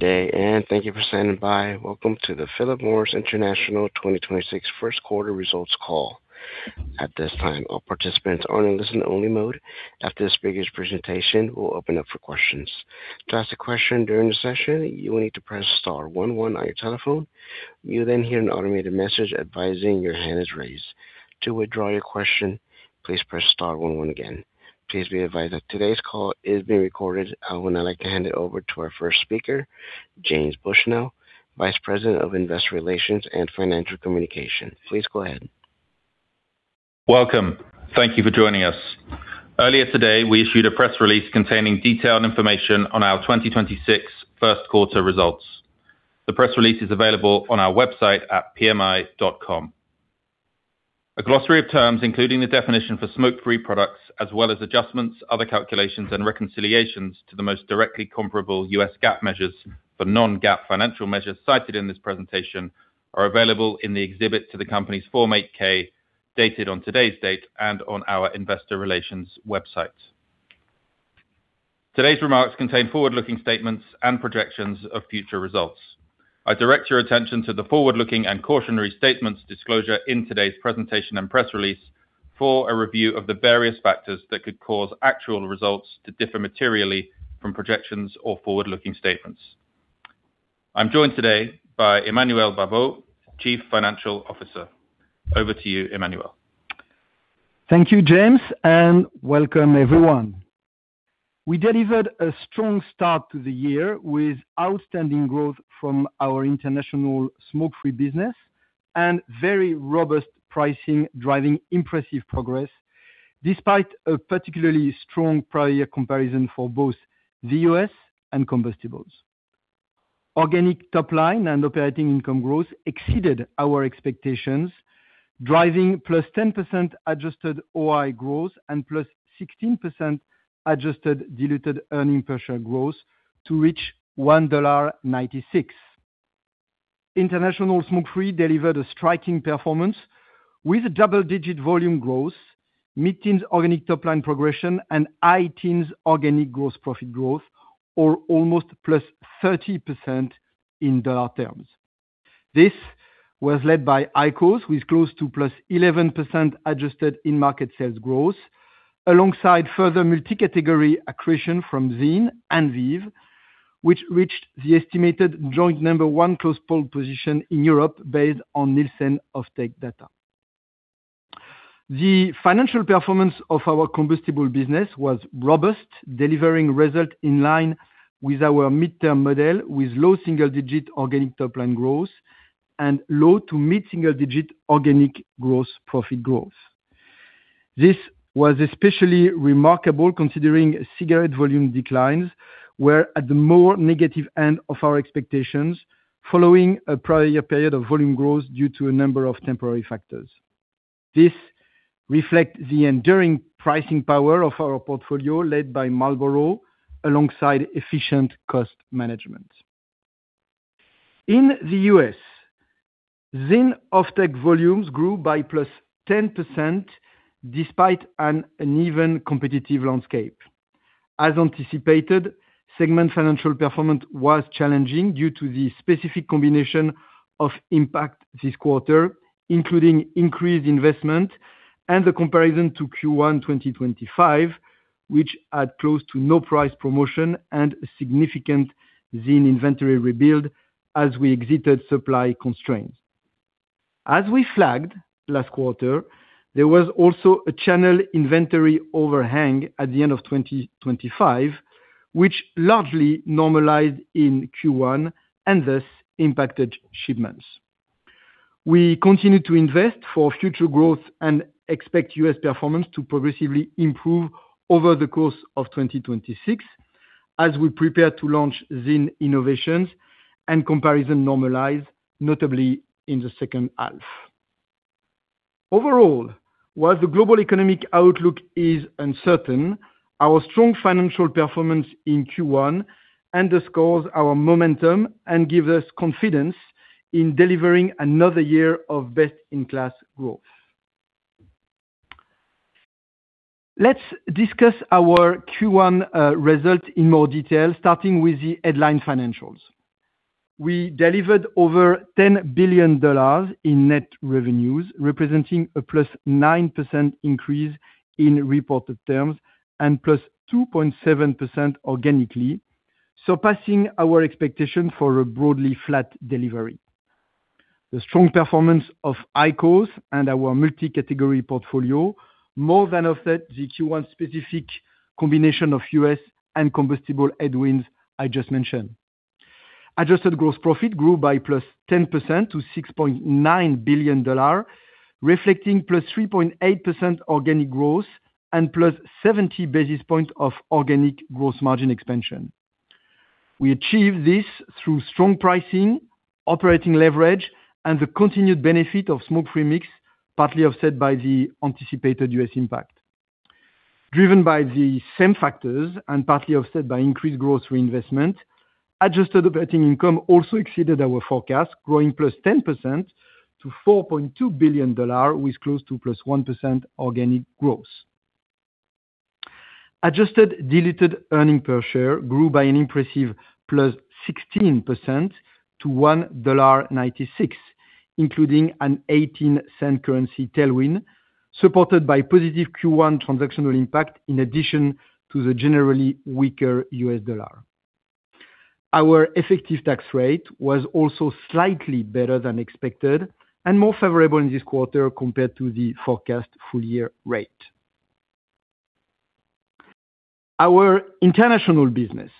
Good day, and thank you for standing by. Welcome to the Philip Morris International 2026 First Quarter Results Call. At this time, all participants are in listen only mode. After the speaker's presentation, we'll open up for questions. To ask a question during the session, you will need to press star one one on your telephone. You'll then hear an automated message advising your hand is raised. To withdraw your question, please press star one one again. Please be advised that today's call is being recorded. I would now like to hand it over to our first speaker, James Bushnell, Vice President of Investor Relations and Financial Communication. Please go ahead. Welcome. Thank you for joining us. Earlier today, we issued a press release containing detailed information on our 2026 first quarter results. The press release is available on our website at pmi.com. A glossary of terms, including the definition for smoke-free products as well as adjustments, other calculations, and reconciliations to the most directly comparable U.S. GAAP measures for non-GAAP financial measures cited in this presentation, are available in the exhibit to the company's Form 8-K, dated on today's date and on our investor relations website. Today's remarks contain forward-looking statements and projections of future results. I direct your attention to the forward-looking and cautionary statements disclosure in today's presentation and press release for a review of the various factors that could cause actual results to differ materially from projections or forward-looking statements. I'm joined today by Emmanuel Babeau, Chief Financial Officer. Over to you, Emmanuel. Thank you, James, and welcome everyone. We delivered a strong start to the year with outstanding growth from our international smoke-free business and very robust pricing, driving impressive progress despite a particularly strong prior comparison for both the U.S. and combustibles. Organic top line and operating income growth exceeded our expectations, driving +10% adjusted OI growth and +16% adjusted diluted earnings per share growth to reach $1.96. International smoke-free delivered a striking performance with double-digit volume growth, mid-teens organic top line progression, and high teens organic gross profit growth, or almost +30% in dollar terms. This was led by IQOS, with close to +11% adjusted in-market sales growth, alongside further multi-category accretion from ZYN and VEEV, which reached the estimated joint number one pole position in Europe based on Nielsen offtake data. The financial performance of our combustible business was robust, delivering results in line with our mid-term model, with low single-digit organic top line growth and low to mid single-digit organic gross profit growth. This was especially remarkable considering cigarette volume declines were at the more negative end of our expectations, following a prior period of volume growth due to a number of temporary factors. This reflects the enduring pricing power of our portfolio, led by Marlboro, alongside efficient cost management. In the U.S., ZYN offtake volumes grew by +10% despite an uneven competitive landscape. As anticipated, segment financial performance was challenging due to the specific combination of impacts this quarter, including increased investment and the comparison to Q1 2025, which had close to no price promotion and a significant ZYN inventory rebuild as we exited supply constraints. As we flagged last quarter, there was also a channel inventory overhang at the end of 2025, which largely normalized in Q1 and thus impacted shipments. We continue to invest for future growth and expect U.S. performance to progressively improve over the course of 2026 as we prepare to launch ZYN innovations and comparison normalize, notably in the second half. Overall, while the global economic outlook is uncertain, our strong financial performance in Q1 underscores our momentum and gives us confidence in delivering another year of best-in-class growth. Let's discuss our Q1 result in more detail, starting with the headline financials. We delivered over $10 billion in net revenues, representing a +9% increase in reported terms and +2.7% organically, surpassing our expectation for a broadly flat delivery. The strong performance of IQOS and our multi-category portfolio more than offset the Q1 specific combination of U.S. and combustible headwinds I just mentioned. Adjusted gross profit grew by +10% to $6.9 billion, reflecting +3.8% organic growth and +70 basis points of organic gross margin expansion. We achieved this through strong pricing, operating leverage, and the continued benefit of smoke-free mix, partly offset by the anticipated U.S. impact. Driven by the same factors and partly offset by increased growth reinvestment, adjusted operating income also exceeded our forecast, growing +10% to $4.2 billion, with close to +1% organic growth. Adjusted diluted earnings per share grew by an impressive +16% to $1.96, including an $0.18 currency tailwind, supported by positive Q1 transactional impact, in addition to the generally weaker U.S. dollar. Our effective tax rate was also slightly better than expected, and more favorable in this quarter compared to the forecast full year rate. Our international business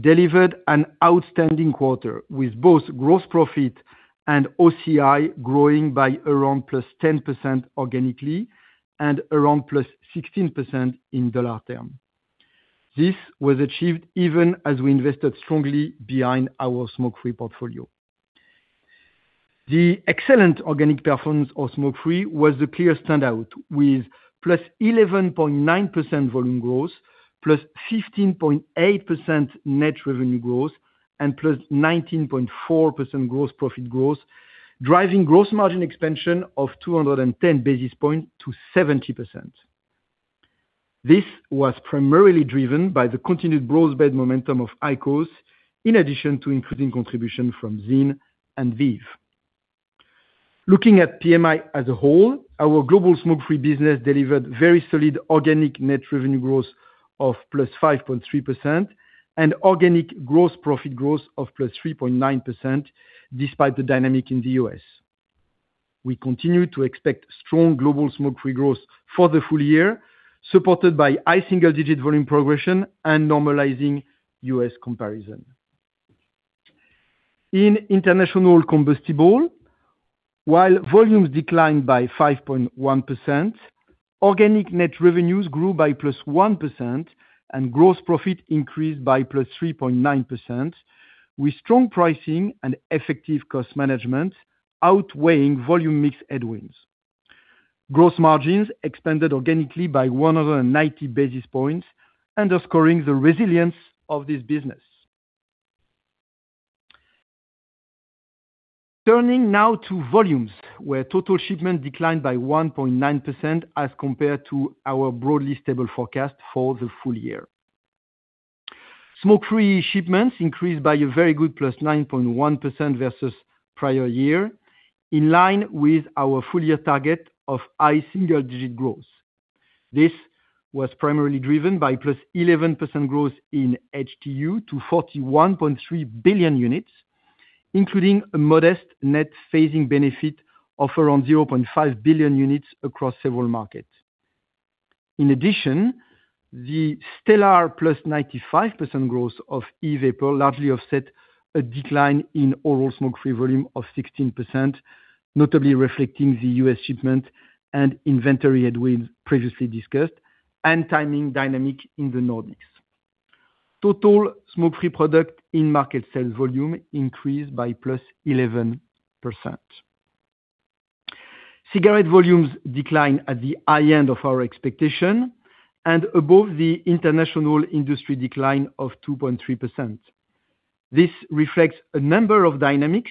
delivered an outstanding quarter, with both gross profit and OCI growing by around +10% organically and around +16% in dollar terms. This was achieved even as we invested strongly behind our smoke-free portfolio. The excellent organic performance of smoke-free was a clear standout, with +11.9% volume growth, +15.8% net revenue growth, and +19.4% gross profit growth, driving gross margin expansion of 210 basis points to 70%. This was primarily driven by the continued broad-based momentum of IQOS, in addition to increasing contribution from VEEV and ZYN. Looking at PMI as a whole, our global smoke-free business delivered very solid organic net revenue growth of +5.3% and organic gross profit growth of +3.9%, despite the dynamics in the U.S. We continue to expect strong global smoke-free growth for the full year, supported by high single-digit volume progression and normalizing U.S. comparison. In international combustibles, while volumes declined by 5.1%, organic net revenues grew by +1%, and gross profit increased by +3.9%, with strong pricing and effective cost management outweighing volume mix headwinds. Gross margins expanded organically by 190 basis points, underscoring the resilience of this business. Turning now to volumes, where total shipments declined by 1.9% as compared to our broadly stable forecast for the full year. Smoke-free shipments increased by a very good +9.1% versus prior year, in line with our full year target of high single-digit growth. This was primarily driven by +11% growth in HTU to 41.3 billion units, including a modest net phasing benefit of around 0.5 billion units across several markets. In addition, the stellar +95% growth of e-vapor largely offset a decline in oral smoke-free volume of 16%, notably reflecting the U.S. shipment and inventory headwinds previously discussed and timing dynamic in the Nordics. Total smoke-free product in market sales volume increased by +11%. Cigarette volumes declined at the high end of our expectation and above the international industry decline of 2.3%. This reflects a number of dynamics,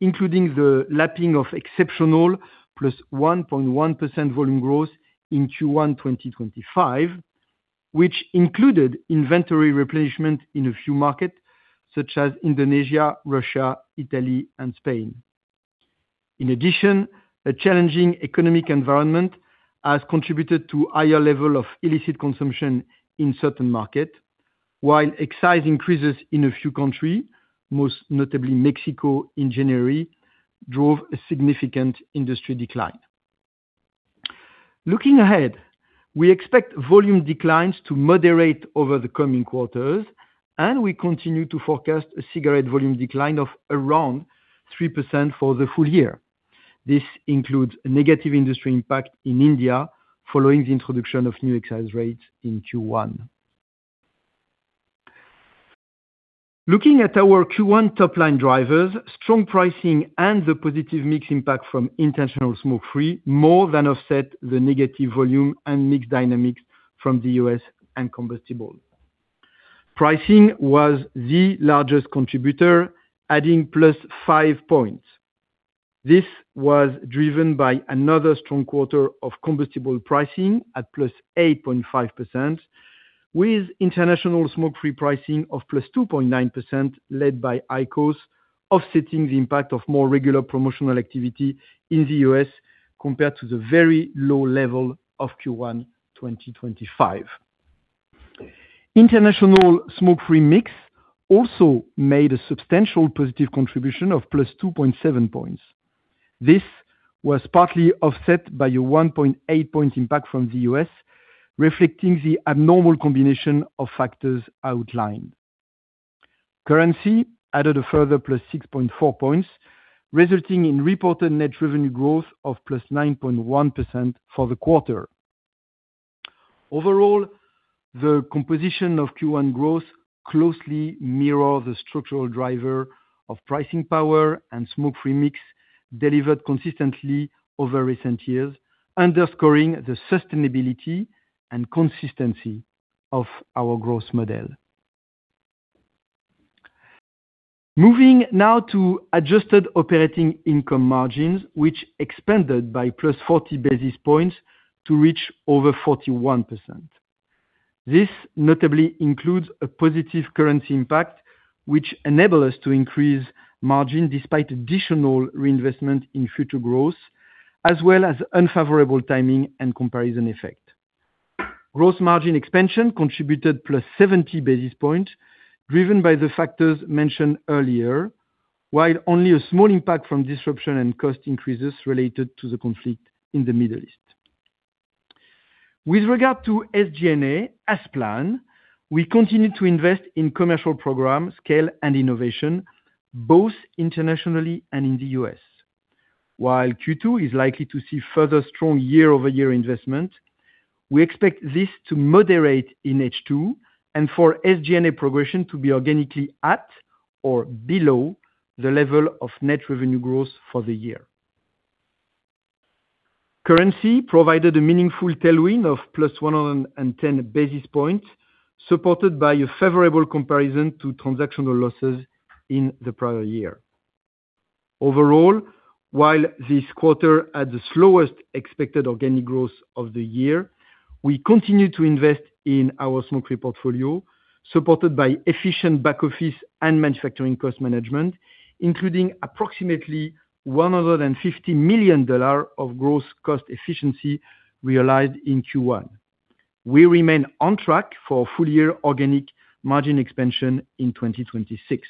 including the lapping of exceptional +1.1% volume growth in Q1 2025, which included inventory replenishment in a few markets, such as Indonesia, Russia, Italy and Spain. In addition, a challenging economic environment has contributed to higher level of illicit consumption in certain market. While excise increases in a few countries, most notably Mexico in January, drove a significant industry decline. Looking ahead, we expect volume declines to moderate over the coming quarters, and we continue to forecast a cigarette volume decline of around 3% for the full year. This includes a negative industry impact in India following the introduction of new excise rates in Q1. Looking at our Q1 top-line drivers, strong pricing and the positive mix impact from intentional smoke-free more than offset the negative volume and mix dynamics from the U.S. and combustibles. Pricing was the largest contributor, adding +5 points. This was driven by another strong quarter of combustibles pricing at +8.5%, with international smoke-free pricing of +2.9%, led by IQOS, offsetting the impact of more regular promotional activity in the U.S. compared to the very low level of Q1 2025. International smoke-free mix also made a substantial positive contribution of +2.7 points. This was partly offset by a -1.8-point impact from the U.S., reflecting the abnormal combination of factors outlined. Currency added a further +6.4 points, resulting in reported net revenue growth of +9.1% for the quarter. Overall, the composition of Q1 growth closely mirror the structural driver of pricing power and smoke-free mix delivered consistently over recent years, underscoring the sustainability and consistency of our growth model. Moving now to adjusted operating income margins, which expanded by +40 basis points to reach over 41%. This notably includes a positive currency impact, which enable us to increase margin despite additional reinvestment in future growth, as well as unfavorable timing and comparison effect. Gross margin expansion contributed +70 basis points, driven by the factors mentioned earlier, while only a small impact from disruption and cost increases related to the conflict in the Middle East. With regard to SG&A as planned, we continue to invest in commercial program scale and innovation, both internationally and in the U.S. While Q2 is likely to see further strong year-over-year investment, we expect this to moderate in H2 and for SG&A progression to be organically at or below the level of net revenue growth for the year. Currency provided a meaningful tailwind of +110 basis points, supported by a favorable comparison to transactional losses in the prior year. Overall, while this quarter had the slowest expected organic growth of the year, we continue to invest in our smoke-free portfolio, supported by efficient back office and manufacturing cost management, including approximately $150 million of gross cost efficiency realized in Q1. We remain on track for full year organic margin expansion in 2026.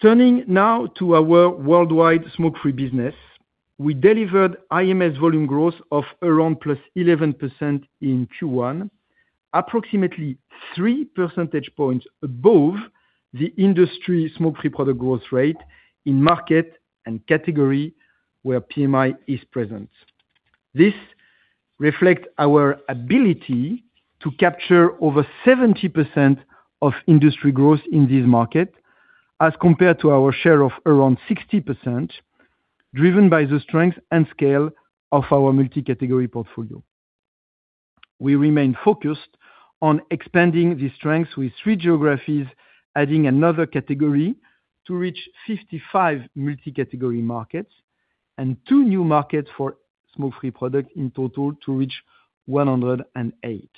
Turning now to our worldwide smoke-free business. We delivered IMS volume growth of around +11% in Q1, approximately 3 percentage points above the industry smoke-free product growth rate in market and category where PMI is present. This reflects our ability to capture over 70% of industry growth in this market as compared to our share of around 60%, driven by the strength and scale of our multi-category portfolio. We remain focused on expanding the strengths with three geographies, adding another category to reach 55 multi-category markets and two new markets for smoke-free product in total to reach 108.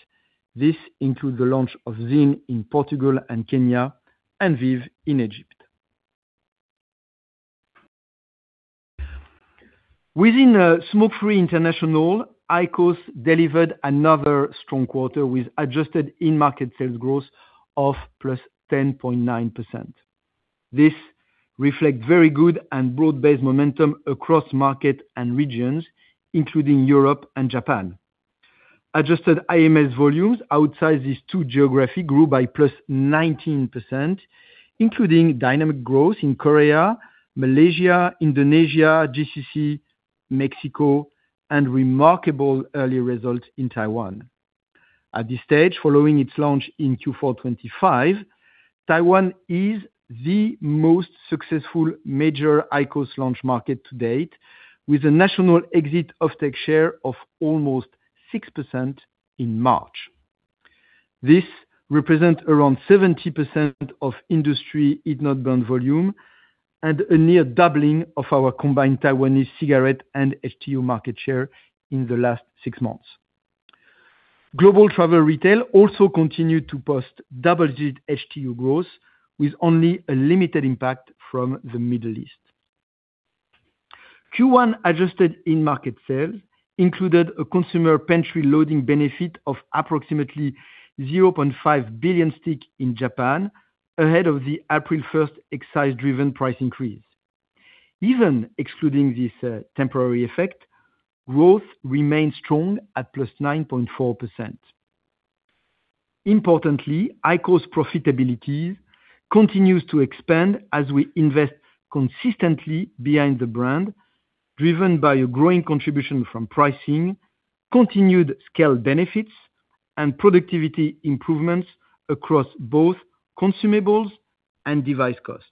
This include the launch of ZYN in Portugal and Kenya and Vuse in Egypt. Within Smoke-Free International, IQOS delivered another strong quarter with adjusted in-market sales growth of +10.9%. This reflect very good and broad-based momentum across market and regions, including Europe and Japan. Adjusted IMS volumes outside these two geography grew by +19%, including dynamic growth in Korea, Malaysia, Indonesia, GCC, Mexico and remarkable early results in Taiwan. At this stage, following its launch in Q4 2025, Taiwan is the most successful major IQOS launch market to date, with a national IQOS share of almost 6% in March. This represents around 70% of industry heat-not-burn volume and a near doubling of our combined Taiwanese cigarette and HTU market share in the last six months. Global travel retail also continued to post double-digit HTU growth, with only a limited impact from the Middle East. Q1 adjusted in-market sales included a consumer pantry loading benefit of approximately 0.5 billion sticks in Japan ahead of the April 1st excise-driven price increase. Even excluding this temporary effect, growth remained strong at +9.4%. Importantly, IQOS profitability continues to expand as we invest consistently behind the brand, driven by a growing contribution from pricing, continued scale benefits, and productivity improvements across both consumables and device cost.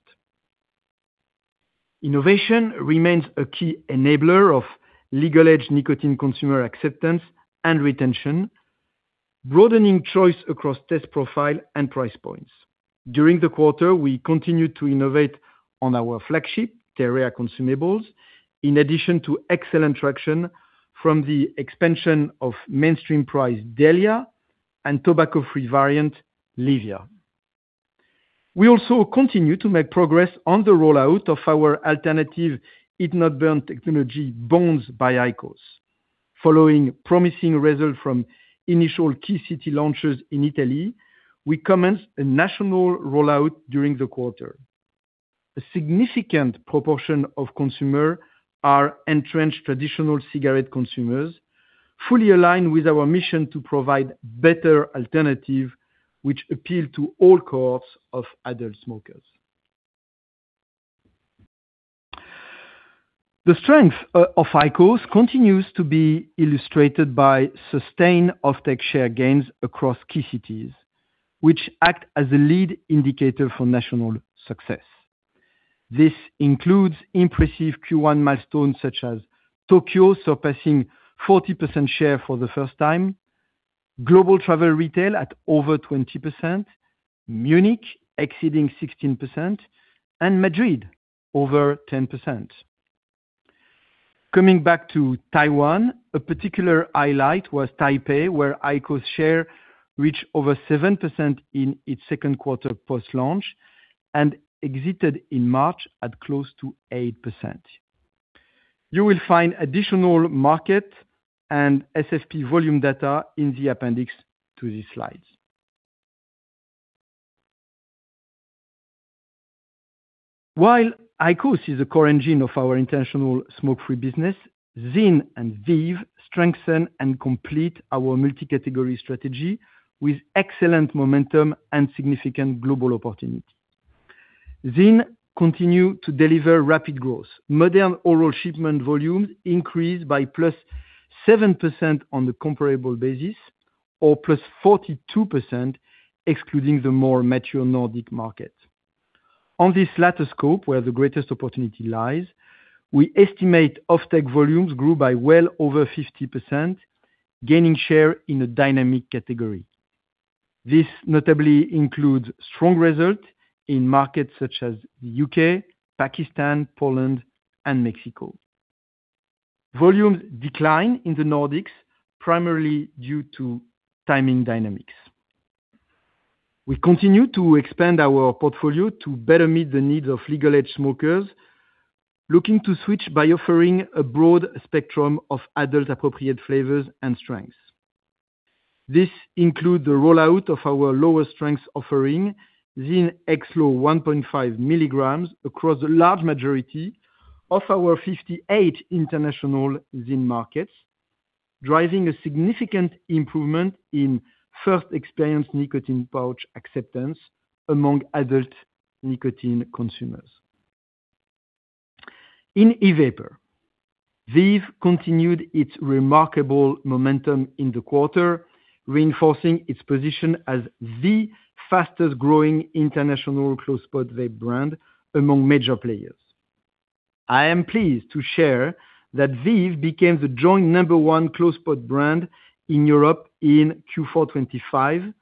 Innovation remains a key enabler of legal age nicotine consumer acceptance and retention, broadening choice across taste profile and price points. During the quarter, we continued to innovate on our flagship, TEREA consumables, in addition to excellent traction from the expansion of mainstream price DELIA and tobacco-free variant LEVIA. We also continue to make progress on the rollout of our alternative heat-not-burn technology, BONDS by IQOS. Following promising results from initial key city launches in Italy, we commenced a national rollout during the quarter. A significant proportion of consumers are entrenched traditional cigarette consumers, fully aligned with our mission to provide better alternatives, which appeal to all cohorts of adult smokers. The strength of IQOS continues to be illustrated by sustained offtake share gains across key cities, which act as a lead indicator for national success. This includes impressive Q1 milestones such as Tokyo surpassing 40% share for the first time, global travel retail at over 20%, Munich exceeding 16%, and Madrid over 10%. Coming back to Taiwan, a particular highlight was Taipei, where IQOS share reached over 7% in its second quarter post-launch and exited in March at close to 8%. You will find additional market and SFP volume data in the appendix to these slides. While IQOS is the core engine of our international smoke-free business, ZYN and Vuse strengthen and complete our multi-category strategy with excellent momentum and significant global opportunity. ZYN continue to deliver rapid growth. Modern oral shipment volumes increased by +7% on the comparable basis, or +42%, excluding the more mature Nordic markets. On this latter scope, where the greatest opportunity lies, we estimate offtake volumes grew by well over 50%, gaining share in a dynamic category. This notably includes strong results in markets such as the U.K., Pakistan, Poland, and Mexico. Volumes decline in the Nordics, primarily due to timing dynamics. We continue to expand our portfolio to better meet the needs of legal-age smokers looking to switch by offering a broad spectrum of adult-appropriate flavors and strengths. This includes the rollout of our lower-strength offering, ZYN X-Low 1.5 mg, across a large majority of our 58 international ZYN markets, driving a significant improvement in first-experience nicotine pouch acceptance among adult nicotine consumers. In e-vapor, Vuse continued its remarkable momentum in the quarter, reinforcing its position as the fastest-growing international closed pod vape brand among major players. I am pleased to share that Vuse became the joint number one closed pod brand in Europe in Q4 2025,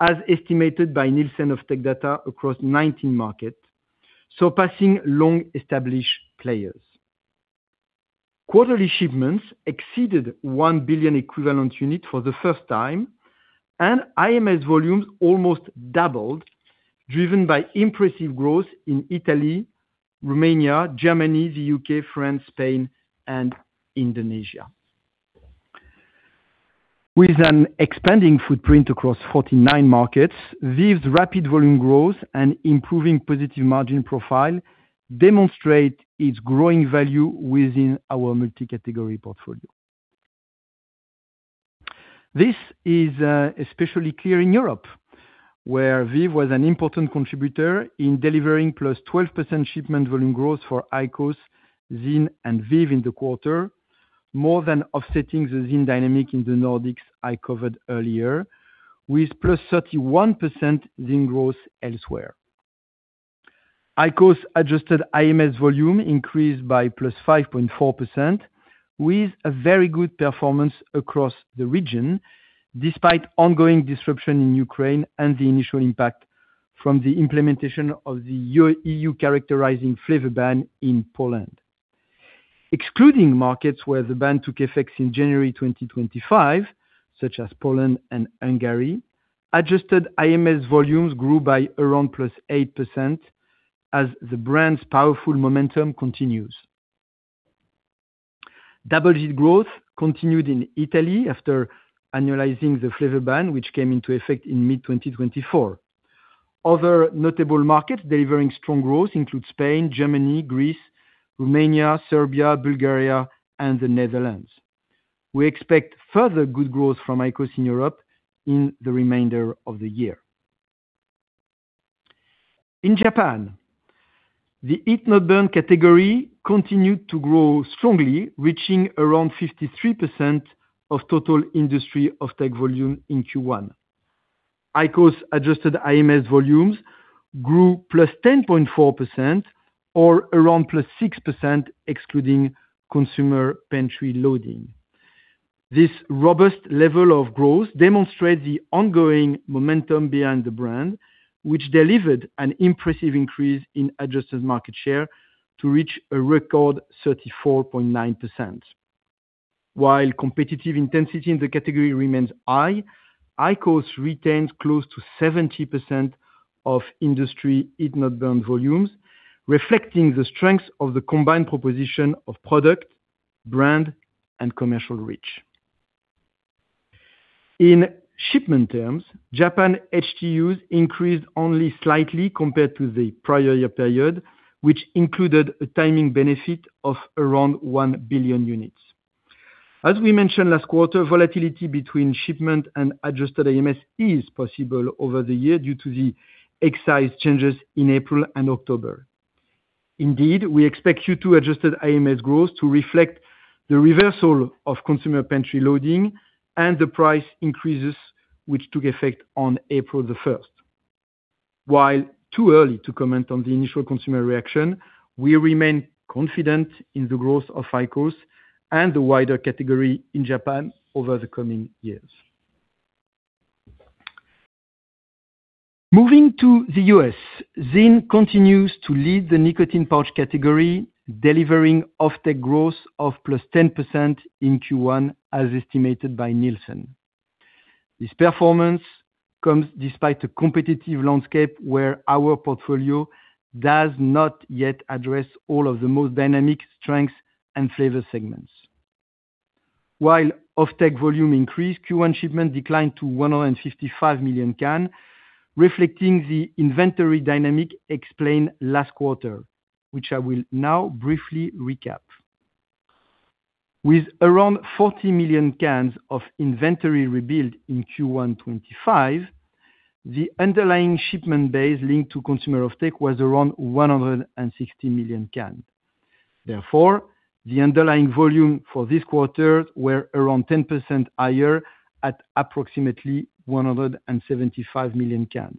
as estimated by Nielsen of TechData across 19 markets, surpassing long-established players. Quarterly shipments exceeded 1 billion equivalent units for the first time, and IMS volumes almost doubled, driven by impressive growth in Italy, Romania, Germany, the U.K., France, Spain, and Indonesia. With an expanding footprint across 49 markets, VEEV's rapid volume growth and improving positive margin profile demonstrate its growing value within our multi-category portfolio. This is especially clear in Europe, where VEEV was an important contributor in delivering +12% shipment volume growth for IQOS, ZYN, and VEEV in the quarter, more than offsetting the ZYN dynamic in the Nordics I covered earlier, with +31% ZYN growth elsewhere. IQOS adjusted IMS volume increased by +5.4%, with a very good performance across the region, despite ongoing disruption in Ukraine and the initial impact from the implementation of the EU characterizing flavor ban in Poland. Excluding markets where the ban took effect in January 2025, such as Poland and Hungary, adjusted IMS volumes grew by around +8% as the brand's powerful momentum continues. Double-digit growth continued in Italy after annualizing the flavor ban, which came into effect in mid-2024. Other notable markets delivering strong growth include Spain, Germany, Greece, Romania, Serbia, Bulgaria, and the Netherlands. We expect further good growth from IQOS in Europe in the remainder of the year. In Japan, the heat-not-burn category continued to grow strongly, reaching around 53% of total industry offtake volume in Q1. IQOS-adjusted IMS volumes grew +10.4%, or around +6%, excluding consumer pantry loading. This robust level of growth demonstrates the ongoing momentum behind the brand, which delivered an impressive increase in adjusted market share to reach a record 34.9%. While competitive intensity in the category remains high, IQOS retains close to 70% of industry heat-not-burn volumes, reflecting the strength of the combined proposition of product, brand, and commercial reach. In shipment terms, Japan HTUs increased only slightly compared to the prior year period, which included a timing benefit of around 1 billion units. As we mentioned last quarter, volatility between shipment and adjusted IMS is possible over the year due to the excise changes in April and October. Indeed, we expect Q2-adjusted IMS growth to reflect the reversal of consumer pantry loading and the price increases, which took effect on April 1st. While too early to comment on the initial consumer reaction, we remain confident in the growth of IQOS and the wider category in Japan over the coming years. Moving to the U.S., ZYN continues to lead the nicotine pouch category, delivering offtake growth of 10% in Q1, as estimated by Nielsen. This performance comes despite a competitive landscape where our portfolio does not yet address all of the most dynamic strengths and flavor segments. While offtake volume increased, Q1 shipment declined to 155 million cans, reflecting the inventory dynamic explained last quarter, which I will now briefly recap. With around 40 million cans of inventory rebuild in Q1 2025, the underlying shipment base linked to consumer offtake was around 160 million cans. Therefore, the underlying volume for this quarter were around 10% higher at approximately 175 million cans.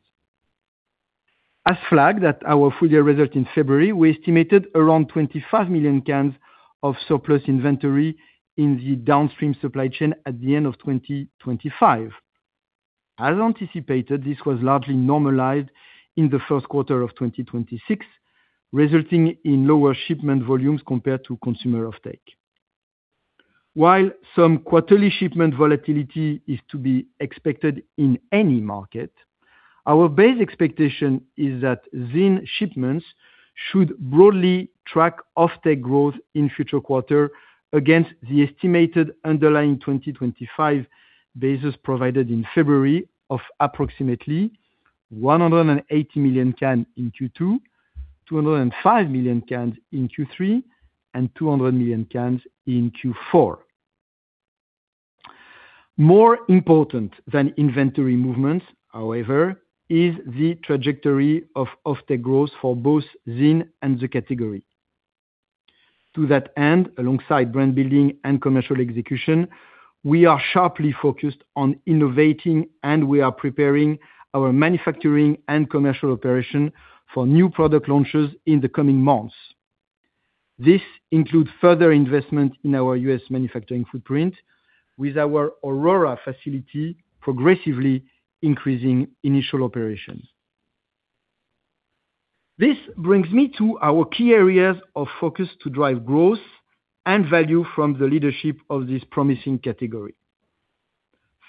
As flagged at our full-year results in February, we estimated around 25 million cans of surplus inventory in the downstream supply chain at the end of 2025. As anticipated, this was largely normalized in the first quarter of 2026, resulting in lower shipment volumes compared to consumer offtake. While some quarterly shipment volatility is to be expected in any market, our base expectation is that ZYN shipments should broadly track offtake growth in future quarters against the estimated underlying 2025 basis provided in February of approximately 180 million cans in Q2, 205 million cans in Q3, and 200 million cans in Q4. More important than inventory movements, however, is the trajectory of offtake growth for both ZYN and the category. To that end, alongside brand building and commercial execution, we are sharply focused on innovating, and we are preparing our manufacturing and commercial operation for new product launches in the coming months. This includes further investment in our U.S. manufacturing footprint with our Aurora facility progressively increasing initial operations. This brings me to our key areas of focus to drive growth and value from the leadership of this promising category.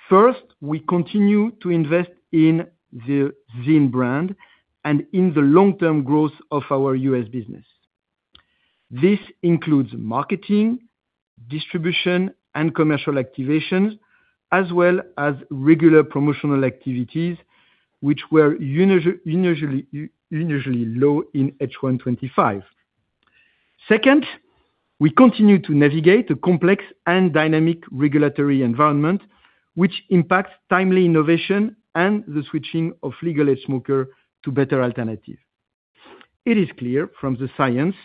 First, we continue to invest in the ZYN brand and in the long-term growth of our U.S. business. This includes marketing, distribution, and commercial activation, as well as regular promotional activities, which were unusually low in H1 2025. Second, we continue to navigate a complex and dynamic regulatory environment, which impacts timely innovation and the switching of legal age smoker to better alternative. It is clear from the science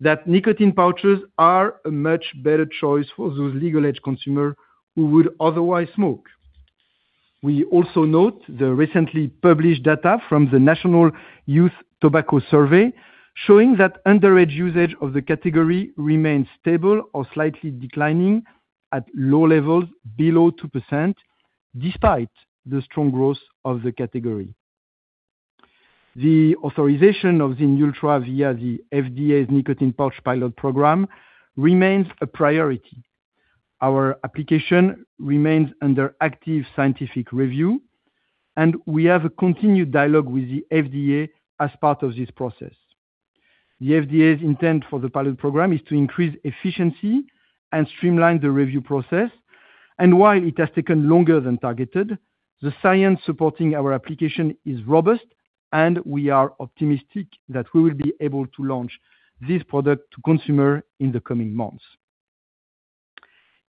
that nicotine pouches are a much better choice for those legal age consumer who would otherwise smoke. We also note the recently published data from the National Youth Tobacco Survey showing that underage usage of the category remains stable or slightly declining at low levels below 2%, despite the strong growth of the category. The authorization of ZYN Ultra via the FDA's nicotine pouch pilot program remains a priority. Our application remains under active scientific review, and we have a continued dialogue with the FDA as part of this process. The FDA's intent for the pilot program is to increase efficiency and streamline the review process, while it has taken longer than targeted, the science supporting our application is robust, and we are optimistic that we will be able to launch this product to consumers in the coming months.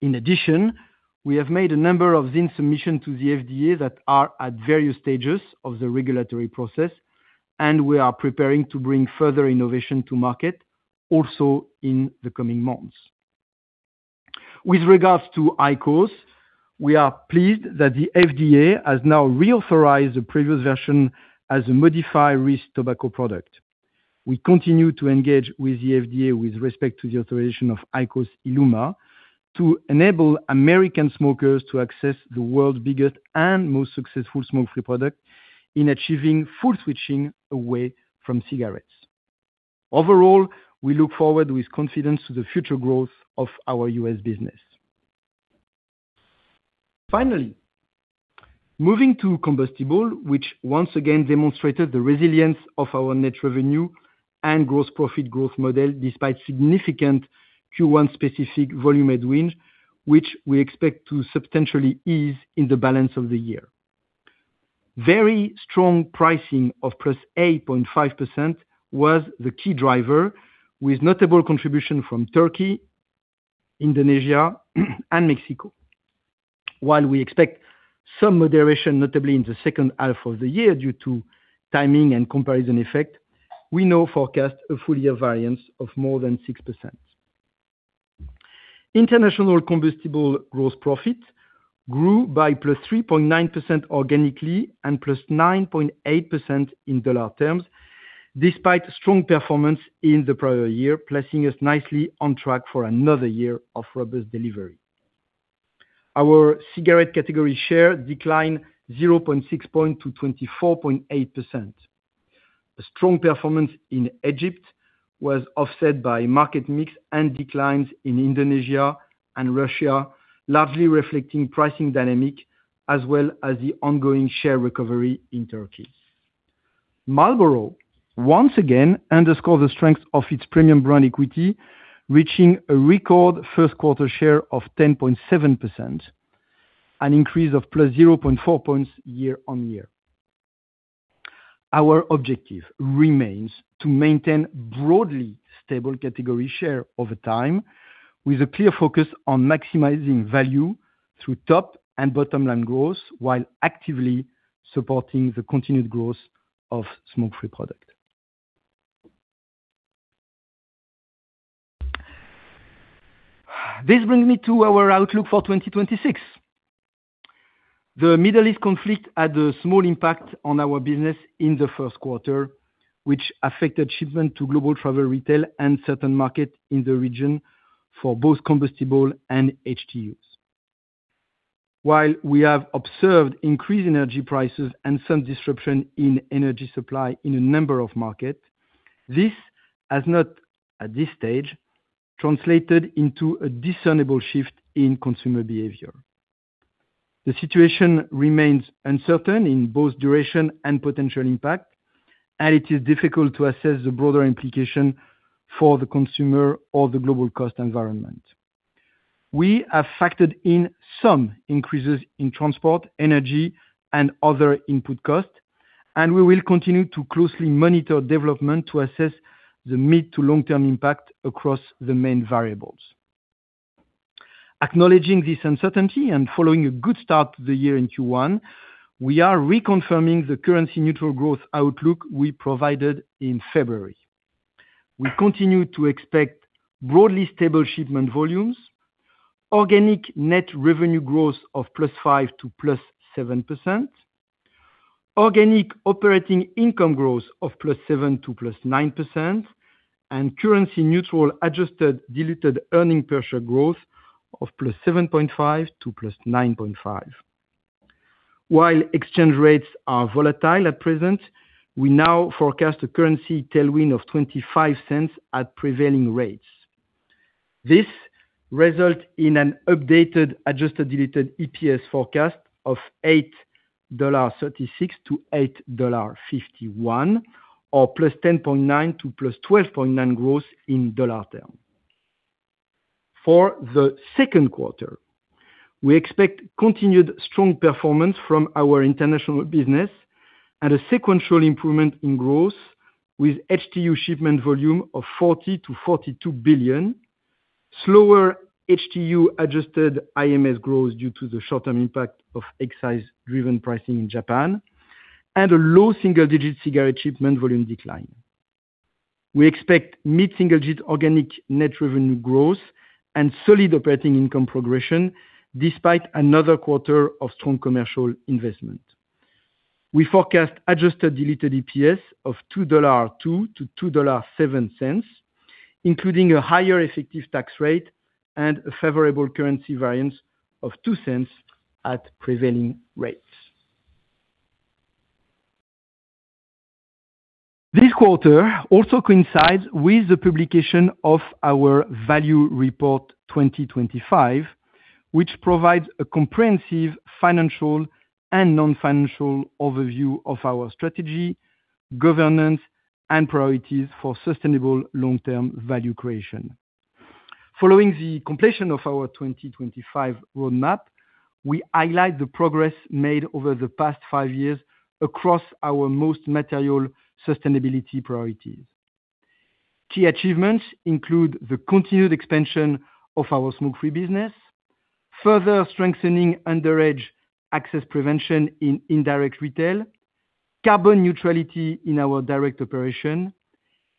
In addition, we have made a number of ZYN submissions to the FDA that are at various stages of the regulatory process, and we are preparing to bring further innovation to market also in the coming months. With regards to IQOS, we are pleased that the FDA has now reauthorized the previous version as a modified risk tobacco product. We continue to engage with the FDA with respect to the authorization of IQOS ILUMA to enable American smokers to access the world's biggest and most successful smoke-free product in achieving full switching away from cigarettes. Overall, we look forward with confidence to the future growth of our U.S. business. Finally, moving to combustible, which once again demonstrated the resilience of our net revenue and gross profit growth model despite significant Q1 specific volume headwind, which we expect to substantially ease in the balance of the year. Very strong pricing of +8.5% was the key driver, with notable contribution from Turkey, Indonesia, and Mexico. While we expect some moderation, notably in the second half of the year, due to timing and comparison effect, we now forecast a full year variance of more than 6%. International combustible gross profit grew by +3.9% organically and +9.8% in dollar terms, despite strong performance in the prior year, placing us nicely on track for another year of robust delivery. Our cigarette category share declined 0.6 point to 24.8%. A strong performance in Egypt was offset by market mix and declines in Indonesia and Russia, largely reflecting pricing dynamics as well as the ongoing share recovery in Turkey. Marlboro, once again, underscored the strength of its premium brand equity, reaching a record first quarter share of 10.7%, an increase of +0.4 points year-on-year. Our objective remains to maintain broadly stable category share over time, with a clear focus on maximizing value through top and bottom line growth while actively supporting the continued growth of smoke-free products. This brings me to our outlook for 2026. The Middle East conflict had a small impact on our business in the first quarter, which affected shipments to global travel retail and certain markets in the region for both combustibles and HTUs. While we have observed increased energy prices and some disruption in energy supply in a number of markets, this has not, at this stage, translated into a discernible shift in consumer behavior. The situation remains uncertain in both duration and potential impact, and it is difficult to assess the broader implication for the consumer or the global cost environment. We have factored in some increases in transport, energy, and other input costs, and we will continue to closely monitor development to assess the mid to long-term impact across the main variables. Acknowledging this uncertainty and following a good start to the year in Q1, we are reconfirming the currency neutral growth outlook we provided in February. We continue to expect broadly stable shipment volumes, organic net revenue growth of +5% to +7%, organic operating income growth of +7% to +9%, and currency-neutral adjusted diluted earnings per share growth of +7.5% to +9.5%. While exchange rates are volatile at present, we now forecast a currency tailwind of $0.25 at prevailing rates. This results in an updated adjusted diluted EPS forecast of $8.36-$8.51 or +10.9% to +12.9% growth in dollar terms. For the second quarter, we expect continued strong performance from our international business and a sequential improvement in growth with HTU shipment volume of 40 billion-42 billion, slower HTU adjusted IMS growth due to the short-term impact of excise-driven pricing in Japan, and a low single-digit cigarette shipment volume decline. We expect mid-single-digit organic net revenue growth and solid operating income progression despite another quarter of strong commercial investment. We forecast adjusted diluted EPS of $2.02-$2.07, including a higher effective tax rate and a favorable currency variance of $0.02 at prevailing rates. This quarter also coincides with the publication of our Value Report 2025, which provides a comprehensive financial and non-financial overview of our strategy, governance, and priorities for sustainable long-term value creation. Following the completion of our 2025 roadmap, we highlight the progress made over the past five years across our most material sustainability priorities. Key achievements include the continued expansion of our smoke-free business, further strengthening underage access prevention in indirect retail, carbon neutrality in our direct operation,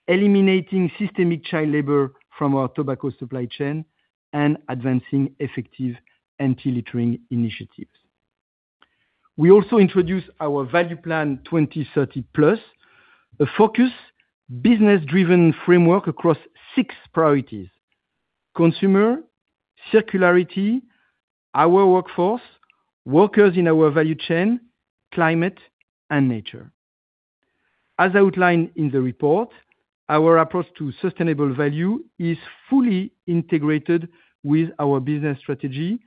eliminating systemic child labor from our tobacco supply chain, and advancing effective anti-littering initiatives. We also introduce our Value Plan 2030+, a focus business-driven framework across six priorities, consumer, circularity, our workforce, workers in our value chain, climate, and nature. As outlined in the report, our approach to sustainable value is fully integrated with our business strategy,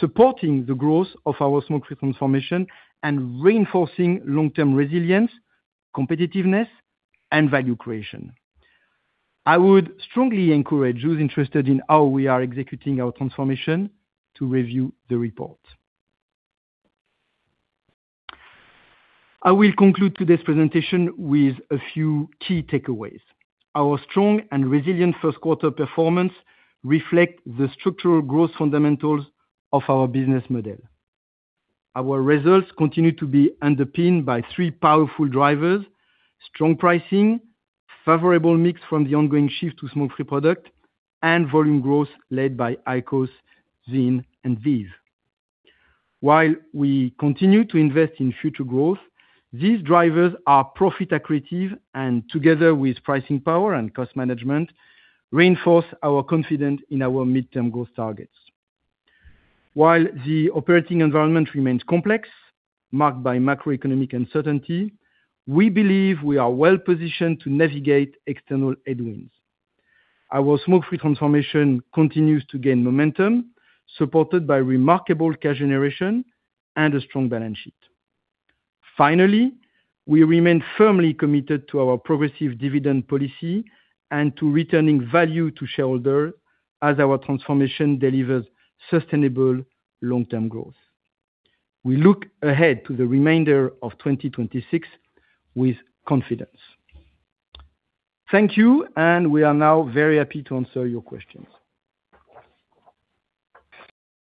supporting the growth of our smoke-free transformation and reinforcing long-term resilience, competitiveness, and value creation. I would strongly encourage those interested in how we are executing our transformation to review the report. I will conclude today's presentation with a few key takeaways. Our strong and resilient first quarter performance reflect the structural growth fundamentals of our business model. Our results continue to be underpinned by three powerful drivers, strong pricing, favorable mix from the ongoing shift to smoke-free product, and volume growth led by IQOS, VEEV, and ZYN. While we continue to invest in future growth, these drivers are profit accretive and, together with pricing power and cost management, reinforce our confidence in our midterm growth targets. While the operating environment remains complex, marked by macroeconomic uncertainty, we believe we are well-positioned to navigate external headwinds. Our smoke-free transformation continues to gain momentum, supported by remarkable cash generation and a strong balance sheet. Finally, we remain firmly committed to our progressive dividend policy and to returning value to shareholders as our transformation delivers sustainable long-term growth. We look ahead to the remainder of 2026 with confidence. Thank you, and we are now very happy to answer your questions.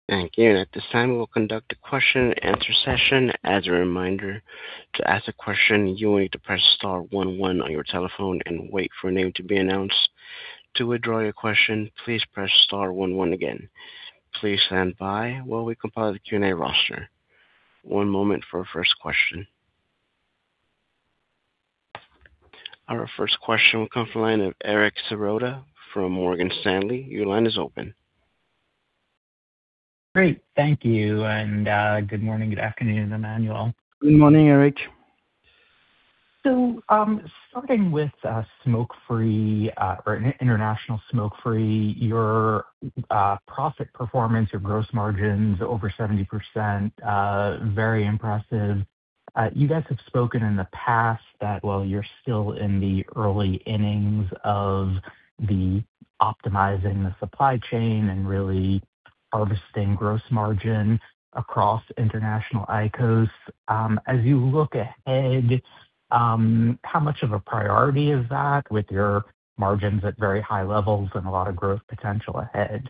Thank you. At this time, we will conduct a question and answer session. As a reminder, to ask a question, you will need to press star one one on your telephone and wait for a name to be announced. To withdraw your question, please press star one one again. Please stand by while we compile the Q&A roster. One moment for our first question. Our first question will come from the line of Eric Serotta from Morgan Stanley. Your line is open. Great. Thank you. Good morning. Good afternoon, Emmanuel. Good morning, Eric. Starting with smoke-free or international smoke-free, your profit performance or gross margins over 70%, very impressive. You guys have spoken in the past that while you're still in the early innings of optimizing the supply chain and really harvesting gross margin across international IQOS. As you look ahead, how much of a priority is that with your margins at very high levels and a lot of growth potential ahead?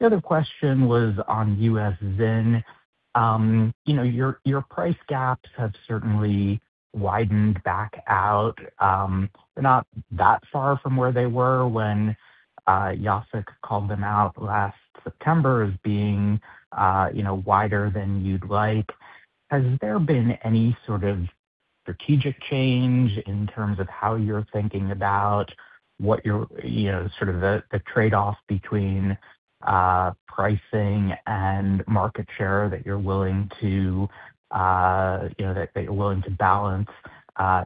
The other question was on U.S. ZYN. Your price gaps have certainly widened back out. They're not that far from where they were when Jacek called them out last September as being wider than you'd like. Has there been any sort of strategic change in terms of how you're thinking about the trade-off between pricing and market share that you're willing to balance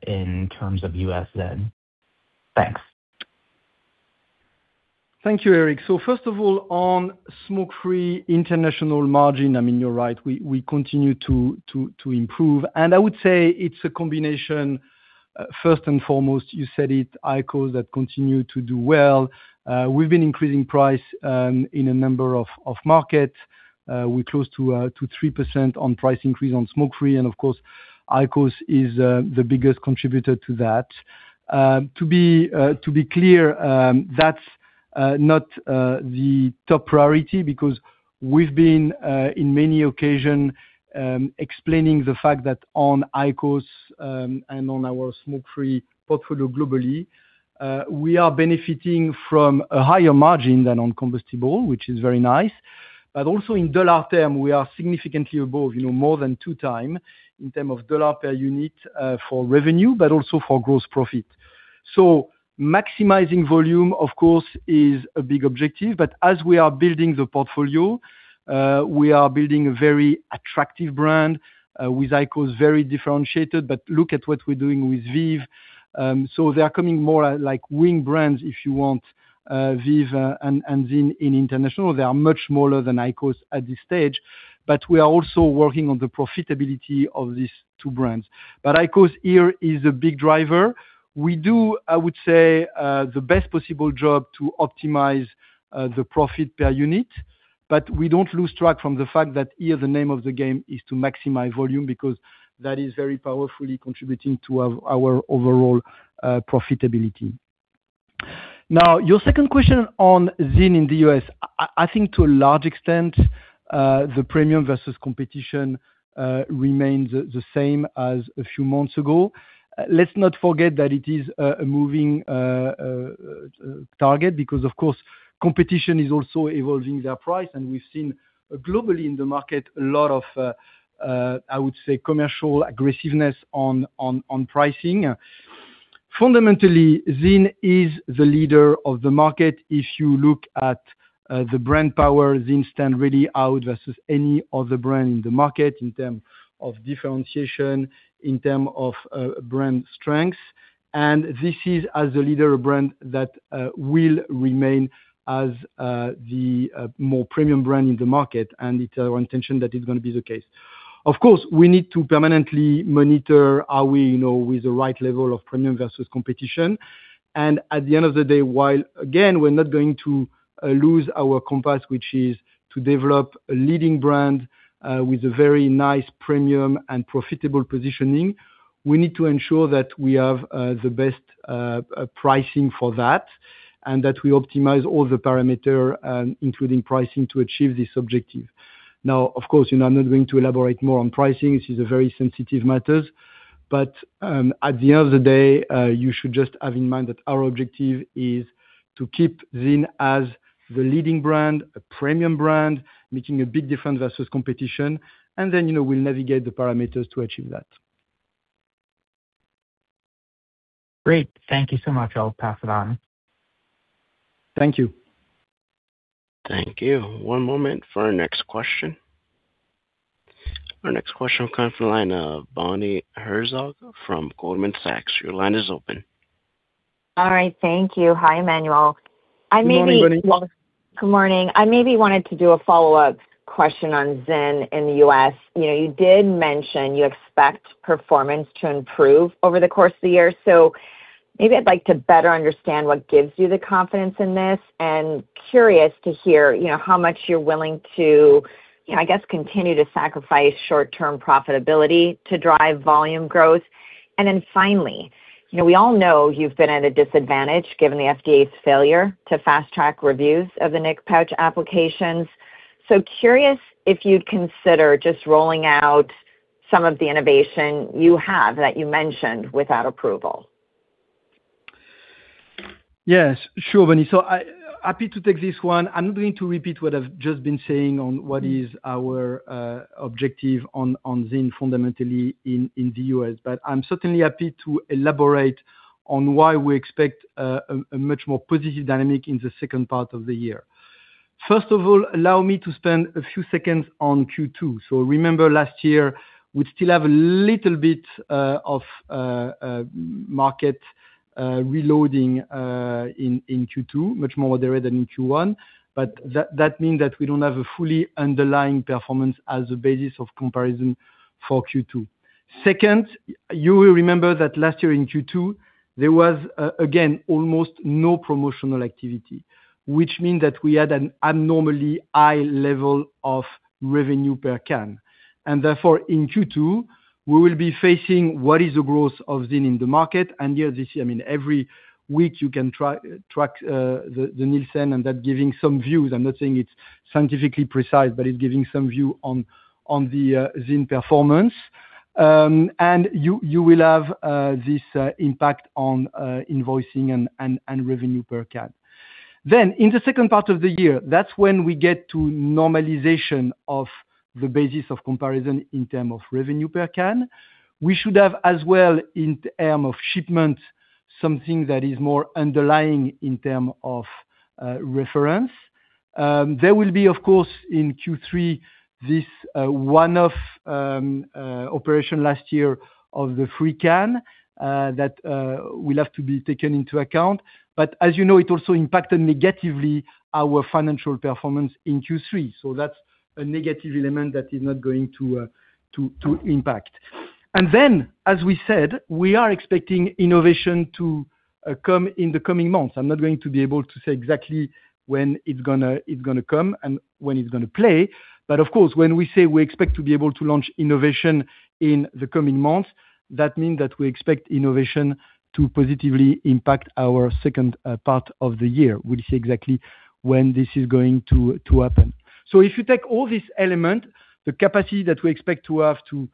in terms of U.S. ZYN? Thanks. Thank you, Eric. First of all, on smoke-free international margin, I mean, you're right, we continue to improve, and I would say it's a combination. First and foremost, you said it, IQOS that continue to do well. We've been increasing price in a number of markets. We're close to 3% on price increase on smoke-free. And of course, IQOS is the biggest contributor to that. To be clear, that's not the top priority because we've been, in many occasions, explaining the fact that on IQOS and on our smoke-free portfolio globally, we are benefiting from a higher margin than on combustible, which is very nice. Also in dollar term, we are significantly above more than two times in term of dollar per unit for revenue, but also for gross profit. Maximizing volume, of course, is a big objective. As we are building the portfolio, we are building a very attractive brand with IQOS, very differentiated. Look at what we're doing with VEEV. They are coming more like wing brands, if you want, VEEV and ZYN in international. They are much smaller than IQOS at this stage, but we are also working on the profitability of these two brands. IQOS here is a big driver. We do, I would say, the best possible job to optimize the profit per unit, but we don't lose track from the fact that here the name of the game is to maximize volume, because that is very powerfully contributing to our overall profitability. Now, your second question on ZYN in the U.S. I think to a large extent, the premium versus competition remains the same as a few months ago. Let's not forget that it is a moving target because, of course, competition is also evolving their price. We've seen globally in the market a lot of, I would say, commercial aggressiveness on pricing. Fundamentally, ZYN is the leader of the market. If you look at the brand power, ZYN stand really out versus any other brand in the market in terms of differentiation, in terms of brand strength. This is as a leader brand that will remain as the more premium brand in the market. It's our intention that it's going to be the case. Of course, we need to permanently monitor, are we with the right level of premium versus competition? At the end of the day, while, again, we're not going to lose our compass, which is to develop a leading brand with a very nice premium and profitable positioning, we need to ensure that we have the best pricing for that and that we optimize all the parameter, including pricing, to achieve this objective. Now, of course, I'm not going to elaborate more on pricing. This is a very sensitive matter. At the end of the day, you should just have in mind that our objective is to keep ZYN as the leading brand, a premium brand, making a big difference versus competition, and then we'll navigate the parameters to achieve that. Great. Thank you so much. I'll pass it on. Thank you. Thank you. One moment for our next question. Our next question comes from the line of Bonnie Herzog from Goldman Sachs. Your line is open. All right, thank you. Hi, Emmanuel. Good morning, Bonnie. Good morning. I maybe wanted to do a follow-up question on ZYN in the U.S. You did mention you expect performance to improve over the course of the year. Maybe I'd like to better understand what gives you the confidence in this, and curious to hear how much you're willing to, I guess, continue to sacrifice short-term profitability to drive volume growth. And then finally, we all know you've been at a disadvantage given the FDA's failure to fast-track reviews of the nic pouch applications. Curious if you'd consider just rolling out some of the innovation you have that you mentioned without approval. Yes. Sure, Bonnie. Happy to take this one. I'm not going to repeat what I've just been saying on what is our objective on ZYN fundamentally in the U.S. I'm certainly happy to elaborate on why we expect a much more positive dynamic in the second part of the year. First of all, allow me to spend a few seconds on Q2. Remember last year, we still have a little bit of market reloading in Q2, much more there than in Q1, but that means that we don't have a fully underlying performance as a basis of comparison for Q2. Second, you will remember that last year in Q2, there was, again, almost no promotional activity, which means that we had an abnormally high level of revenue per can. Therefore, in Q2, we will be facing what is the growth of ZYN in the market. This year, every week you can track the Nielsen, and that's giving some views. I'm not saying it's scientifically precise, but it's giving some view on the ZYN performance. You will have this impact on invoicing and revenue per can. In the second part of the year, that's when we get to normalization of the basis of comparison in terms of revenue per can. We should have, as well, in terms of shipment, something that is more underlying in terms of reference. There will be, of course, in Q3, this one-off operation last year of the free can, that will have to be taken into account. As you know, it also impacted negatively our financial performance in Q3. That's a negative element that is not going to impact. We are expecting innovation to come in the coming months. I'm not going to be able to say exactly when it's gonna come and when it's gonna play, but of course, when we say we expect to be able to launch innovation in the coming months, that means that we expect innovation to positively impact our second part of the year. We'll see exactly when this is going to happen. If you take all these elements, the capacity that we expect to have to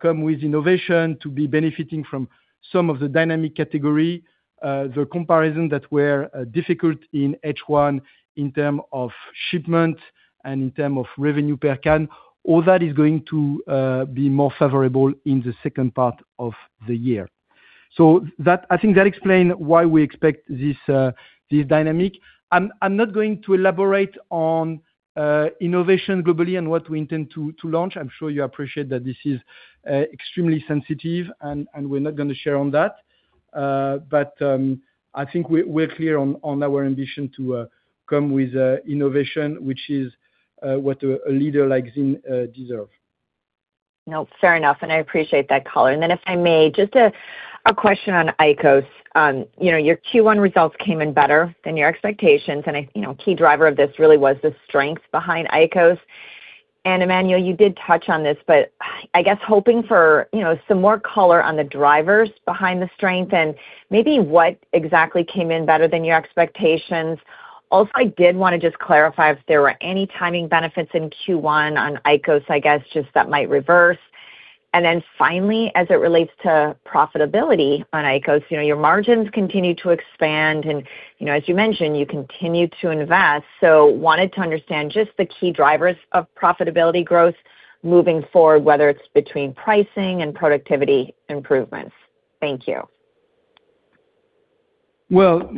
come with innovation to be benefiting from some of the dynamic category, the comparison that were difficult in H1 in term of shipment and in term of revenue per can, all that is going to be more favorable in the second part of the year. I think that explain why we expect this dynamic. I'm not going to elaborate on innovation globally and what we intend to launch. I'm sure you appreciate that this is extremely sensitive and we're not gonna share on that. I think we're clear on our ambition to come with innovation, which is what a leader like ZYN deserves. No, fair enough, and I appreciate that color. If I may, just a question on IQOS. Your Q1 results came in better than your expectations, and a key driver of this really was the strength behind IQOS. Emmanuel, you did touch on this, I guess hoping for some more color on the drivers behind the strength and maybe what exactly came in better than your expectations. Also, I did want to just clarify if there were any timing benefits in Q1 on IQOS, I guess, just that might reverse. Finally, as it relates to profitability on IQOS, your margins continue to expand and as you mentioned, you continue to invest. Wanted to understand just the key drivers of profitability growth moving forward, whether it's between pricing and productivity improvements. Thank you. Well,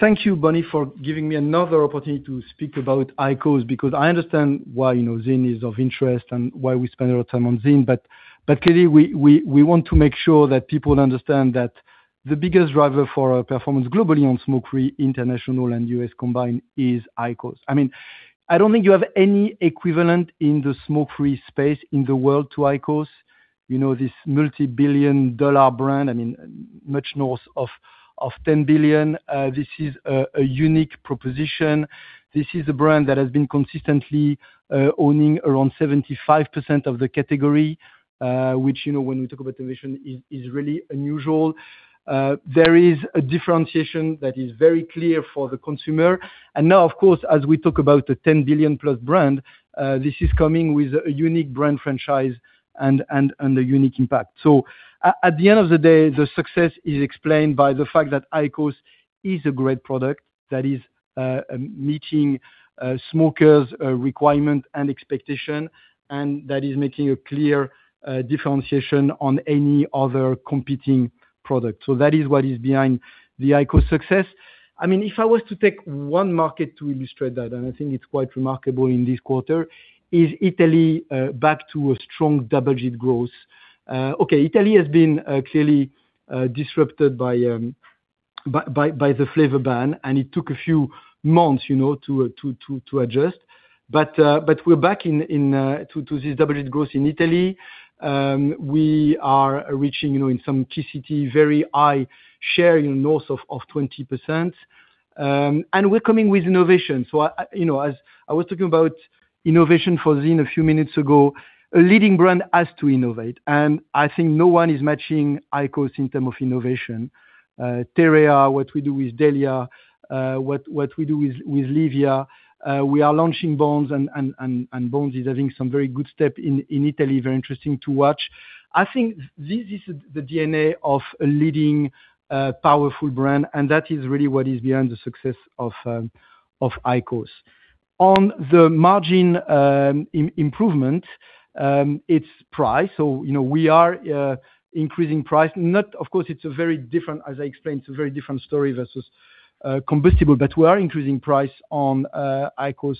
thank you, Bonnie, for giving me another opportunity to speak about IQOS, because I understand why ZYN is of interest and why we spend our time on ZYN. But clearly, we want to make sure that people understand that the biggest driver for our performance globally on smoke-free, international, and U.S. combined is IQOS. I mean, I don't think you have any equivalent in the smoke-free space in the world to IQOS. This multibillion-dollar brand, much north of $10 billion. This is a unique proposition. This is a brand that has been consistently owning around 75% of the category, which, when we talk about the vision, is really unusual. There is a differentiation that is very clear for the consumer. Now, of course, as we talk about the 10 billion+ brand, this is coming with a unique brand franchise and a unique impact. At the end of the day, the success is explained by the fact that IQOS is a great product that is meeting smokers' requirement and expectation, and that is making a clear differentiation on any other competing product. That is what is behind the IQOS success. If I was to take one market to illustrate that, and I think it's quite remarkable in this quarter, is Italy back to a strong double-digit growth. Okay, Italy has been clearly disrupted by the flavor ban, and it took a few months to adjust. We're back to this double-digit growth in Italy. We are reaching, in some TTC, very high share north of 20%. We're coming with innovation. As I was talking about innovation for ZYN a few minutes ago, a leading brand has to innovate, and I think no one is matching IQOS in term of innovation. TEREA, what we do with DELIA, what we do with LEVIA. We are launching VEEV, and VEEV is having some very good start in Italy, very interesting to watch. I think this is the DNA of a leading, powerful brand, and that is really what is behind the success of IQOS. On the margin improvement, it's price. We are increasing price. Of course, as I explained, it's a very different story versus combustible, but we are increasing price on IQOS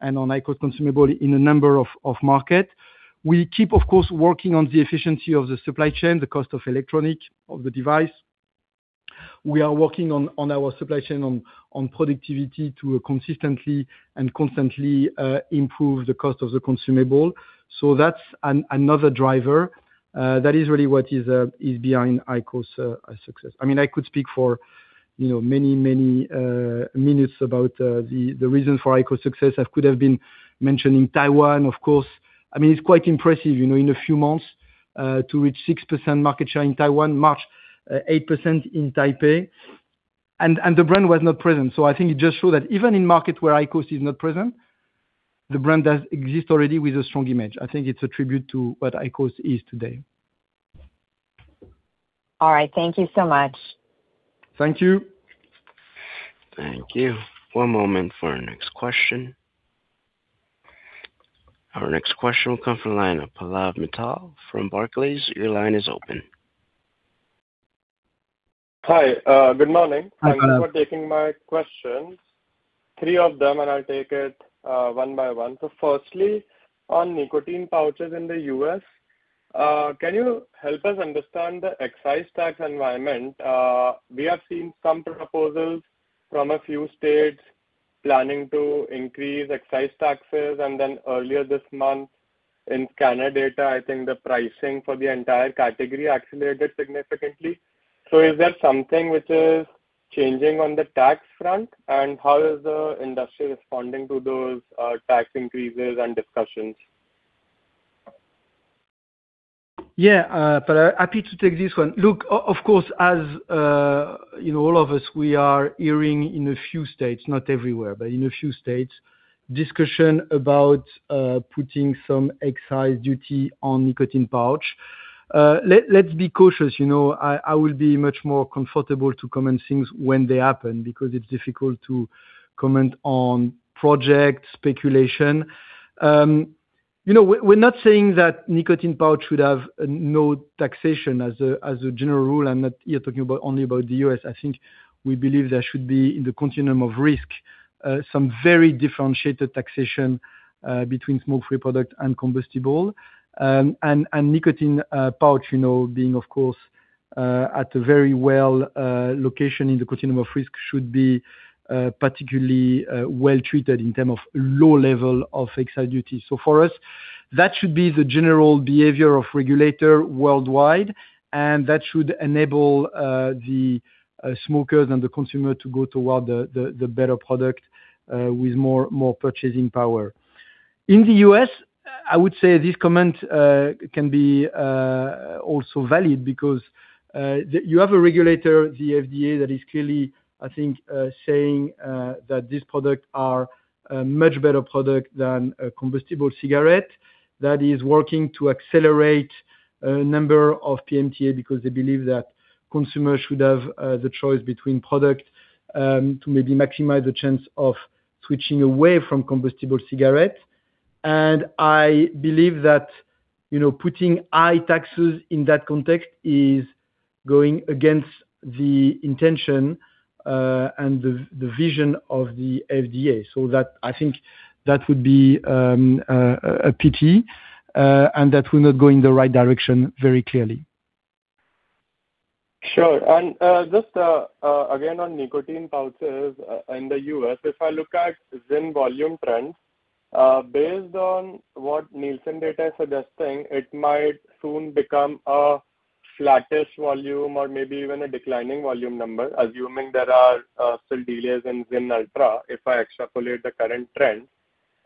and on IQOS consumable in a number of markets. We keep, of course, working on the efficiency of the supply chain, the cost of electronic, of the device. We are working on our supply chain on productivity to consistently and constantly improve the cost of the consumable. That's another driver. That is really what is behind IQOS' success. I could speak for many minutes about the reason for IQOS success. I could have been mentioning Taiwan, of course. It's quite impressive, in a few months, to reach 6% market share in Taiwan, March 8% in Taipei. The brand was not present. I think it just show that even in market where IQOS is not present, the brand does exist already with a strong image. I think it's a tribute to what IQOS is today. All right. Thank you so much. Thank you. Thank you. One moment for our next question. Our next question will come from the line of Pallav Mittal from Barclays. Your line is open. Hi. Good morning. Hi, Pallav. Thank you for taking my questions. Three of them, and I'll take it one by one. Firstly, on nicotine pouches in the U.S., can you help us understand the excise tax environment? We have seen some proposals from a few states planning to increase excise taxes, and then earlier this month in scanner data, I think the pricing for the entire category accelerated significantly. Is there something which is changing on the tax front? And how is the industry responding to those tax increases and discussions? Yeah, Pallav, happy to take this one. Look, of course, as all of us, we are hearing in a few states, not everywhere, but in a few states, discussion about putting some excise duty on nicotine pouch. Let's be cautious. I will be much more comfortable to comment things when they happen, because it's difficult to comment on pure speculation. We're not saying that nicotine pouch should have no taxation as a general rule. I'm not here talking only about the U.S. I think we believe there should be, in the continuum of risk, some very differentiated taxation between smoke-free product and combustible. Nicotine pouch, being of course, at a very low location in the continuum of risk should be particularly well-treated in terms of low level of excise duty. For us, that should be the general behavior of regulators worldwide, and that should enable the smokers and the consumer to go toward the better product with more purchasing power. In the U.S., I would say this comment can be also valid because you have a regulator, the FDA, that is clearly, I think saying that these products are a much better product than a combustible cigarette that is working to accelerate a number of PMTAs because they believe that consumers should have the choice between products, to maybe maximize the chance of switching away from combustible cigarettes. I believe that putting high taxes in that context is going against the intention, and the vision of the FDA. I think that would be a pity, and that will not go in the right direction very clearly. Sure. Just again on nicotine pouches in the U.S., if I look at ZYN volume trends, based on what Nielsen data is suggesting, it might soon become a flattish volume or maybe even a declining volume number, assuming there are still delays in ZYN Ultra, if I extrapolate the current trend,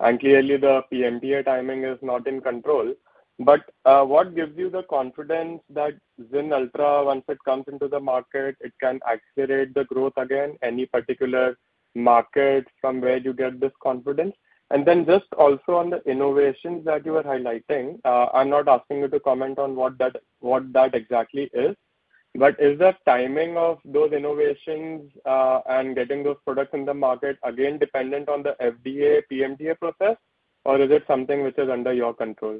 and clearly the PMTA timing is not in control. What gives you the confidence that ZYN Ultra, once it comes into the market, it can accelerate the growth again, any particular market from where you get this confidence? Then just also on the innovations that you are highlighting, I'm not asking you to comment on what that exactly is, but is the timing of those innovations, and getting those products in the market again dependent on the FDA PMTA process, or is it something which is under your control?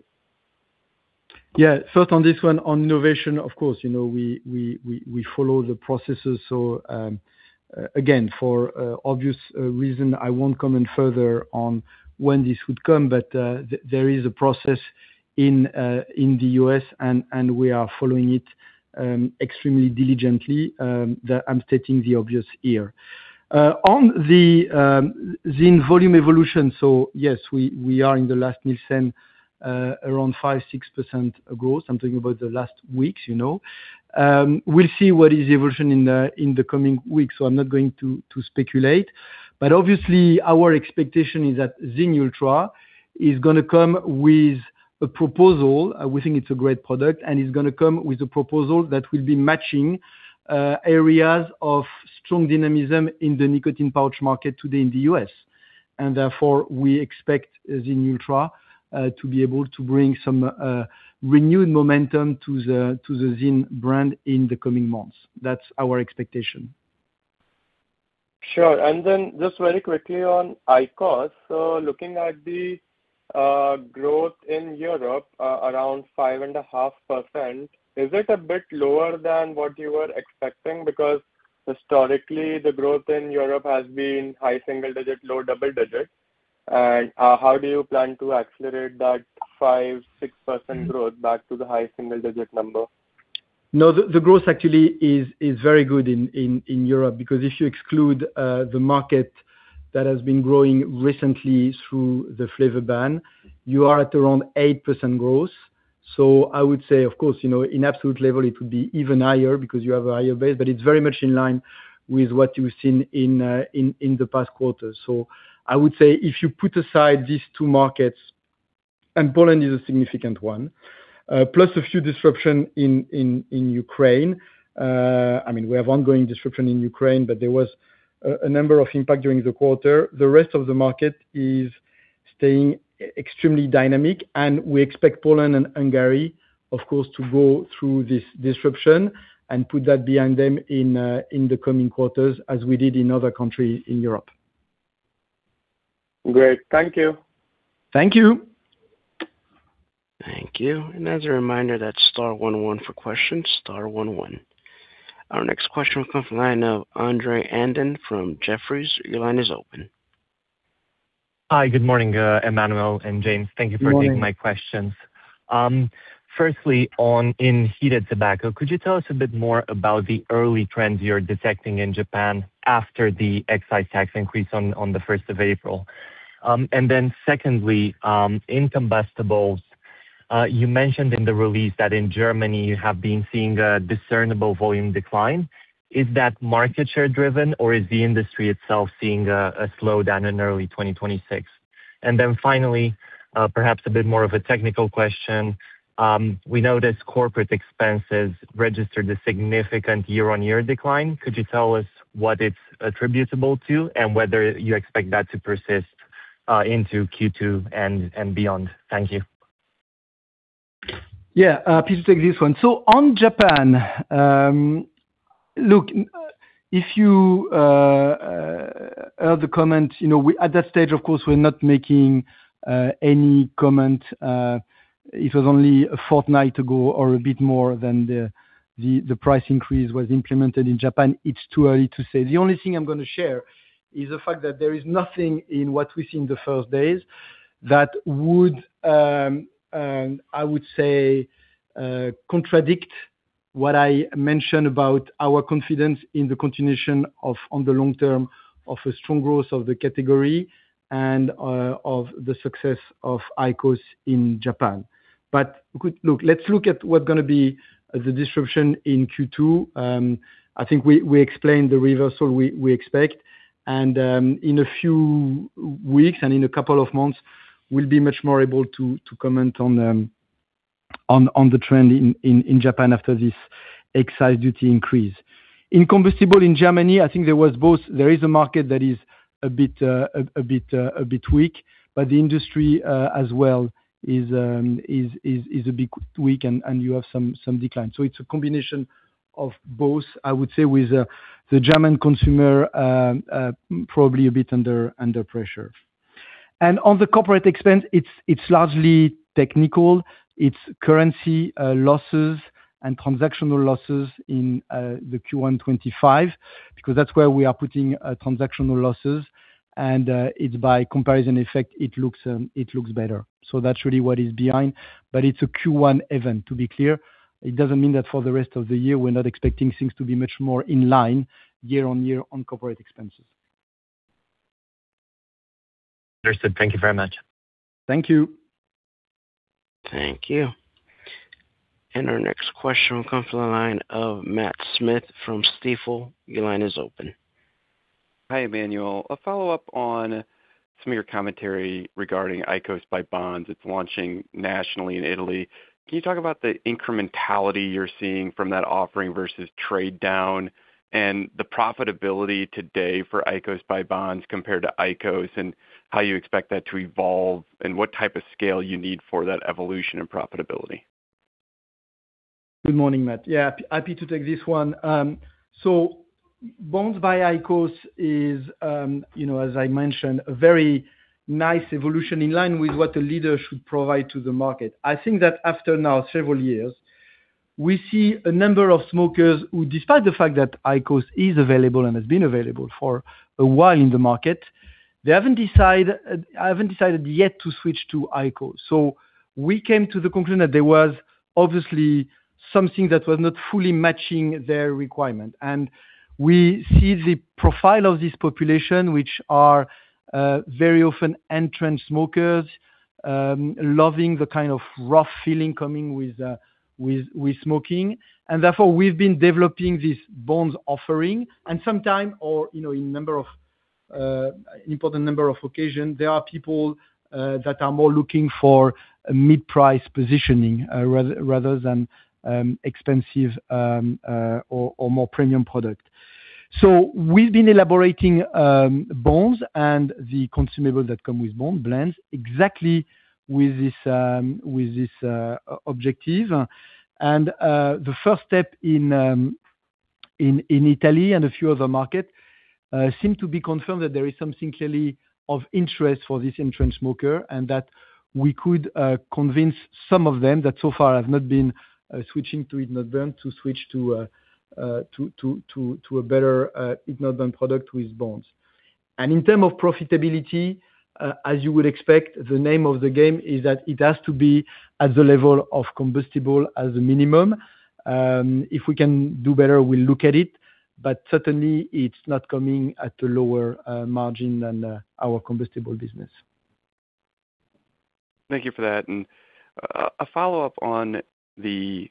Yeah. First on this one, on innovation, of course, we follow the processes. Again, for obvious reason, I won't comment further on when this would come, but there is a process in the U.S. and we are following it extremely diligently, that I'm stating the obvious here. On the ZYN volume evolution, yes, we are in the last Nielsen around 5%, 6% growth. I'm talking about the last weeks. We'll see what is the evolution in the coming weeks. I'm not going to speculate, but obviously our expectation is that ZYN Ultra is gonna come with a proposal. We think it's a great product, and it's gonna come with a proposal that will be matching areas of strong dynamism in the nicotine pouch market today in the U.S. Therefore, we expect ZYN Ultra to be able to bring some renewed momentum to the ZYN brand in the coming months. That's our expectation. Sure. Just very quickly on IQOS, so looking at the growth in Europe, around 5.5%, is it a bit lower than what you were expecting? Because historically, the growth in Europe has been high single-digit, low double-digit. How do you plan to accelerate that 5%-6% growth back to the high single-digit number? No, the growth actually is very good in Europe because if you exclude the market that has been growing recently through the flavor ban, you are at around 8% growth. I would say, of course, in absolute level, it would be even higher because you have a higher base, but it's very much in line with what you've seen in the past quarters. I would say if you put aside these two markets, and Poland is a significant one, plus a few disruptions in Ukraine. I mean, we have ongoing disruption in Ukraine, but there was a number of impacts during the quarter. The rest of the market is staying extremely dynamic, and we expect Poland and Hungary, of course, to go through this disruption and put that behind them in the coming quarters, as we did in other countries in Europe. Great. Thank you. Thank you. Thank you. As a reminder, that's star one one for questions, star one one. Our next question will come from the line of Andrei Andon from Jefferies. Your line is open. Hi, good morning, Emmanuel and James. Good morning. Thank you for taking my questions. Firstly, on heated tobacco, could you tell us a bit more about the early trends you're detecting in Japan after the excise tax increase on the 1st of April? Secondly, in combustibles, you mentioned in the release that in Germany you have been seeing a discernible volume decline. Is that market share-driven or is the industry itself seeing a slowdown in early 2026? Finally, perhaps a bit more of a technical question, we noticed corporate expenses registered a significant year-on-year decline. Could you tell us what it's attributable to and whether you expect that to persist into Q2 and beyond? Thank you. Yeah. Happy to take this one. On Japan, look, if you heard the comment, at that stage, of course, we're not making any comment. It was only a fortnight ago or a bit more than the price increase was implemented in Japan. It's too early to say. The only thing I'm gonna share is the fact that there is nothing in what we see in the first days that would, I would say, contradict what I mentioned about our confidence in the continuation on the long term of a strong growth of the category and of the success of IQOS in Japan. Look, let's look at what's gonna be the disruption in Q2. I think we explained the reversal we expect, and in a few weeks and in a couple of months, we'll be much more able to comment on the trend in Japan after this excise duty increase. In combustibles in Germany, I think there was both, there is a market that is a bit weak, but the industry, as well is a bit weak and you have some decline. It's a combination of both, I would say with the German consumer probably a bit under pressure. On the corporate expense, it's largely technical. It's currency losses and transactional losses in the Q1 2025, because that's where we are putting transactional losses and it's by comparison effect, it looks better. That's really what is behind, but it's a Q1 event, to be clear. It doesn't mean that for the rest of the year we're not expecting things to be much more in line year on year on corporate expenses. Understood. Thank you very much. Thank you. Thank you. Our next question will come from the line of Matt Smith from Stifel. Your line is open. Hi, Emmanuel. A follow-up on some of your commentary regarding BONDS by IQOS. It's launching nationally in Italy. Can you talk about the incrementality you're seeing from that offering versus trade-down, and the profitability today for BONDS by IQOS compared to IQOS, and how you expect that to evolve, and what type of scale you need for that evolution and profitability? Good morning, Matt. Yeah. Happy to take this one. BONDS by IQOS is, as I mentioned, a very nice evolution in line with what a leader should provide to the market. I think that after now several years, we see a number of smokers who, despite the fact that IQOS is available and has been available for a while in the market, they haven't decided yet to switch to IQOS. We came to the conclusion that there was obviously something that was not fully matching their requirement. We see the profile of this population, which are very often entrant smokers, loving the kind of rough feeling coming with smoking. Therefore, we've been developing this BONDS offering. Sometimes or in important number of occasions, there are people that are more looking for a mid-price positioning rather than expensive or more premium product. We've been elaborating BONDS and the consumables that come with BLENDS exactly with this objective. The first step in Italy and a few other markets seem to be confirmed that there is something clearly of interest for this entrant smoker, and that we could convince some of them that so far have not been switching to heat-not-burn to switch to a better heat-not-burn product with BONDS. In terms of profitability, as you would expect, the name of the game is that it has to be at the level of combustible as a minimum. If we can do better, we'll look at it. Certainly, it's not coming at a lower margin than our combustible business. Thank you for that. A follow-up on the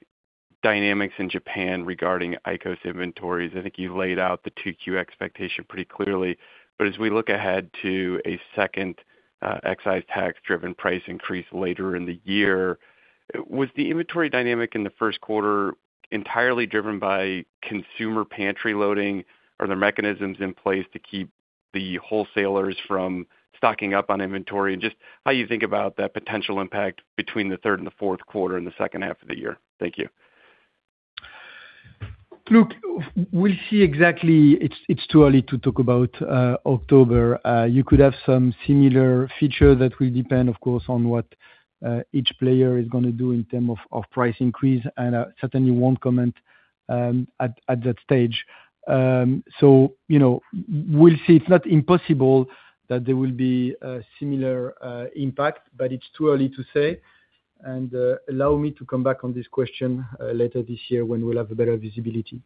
dynamics in Japan regarding IQOS inventories. I think you laid out the 2Q expectation pretty clearly. As we look ahead to a second excise tax-driven price increase later in the year, was the inventory dynamic in the first quarter entirely driven by consumer pantry loading? Are there mechanisms in place to keep the wholesalers from stocking up on inventory? Just how you think about that potential impact between the third and the fourth quarter and the second half of the year? Thank you. Look, we'll see exactly. It's too early to talk about October. You could have some similar feature that will depend, of course, on what each player is gonna do in terms of price increase, and I certainly won't comment at that stage. We'll see. It's not impossible that there will be a similar impact, but it's too early to say. Allow me to come back on this question later this year when we'll have a better visibility.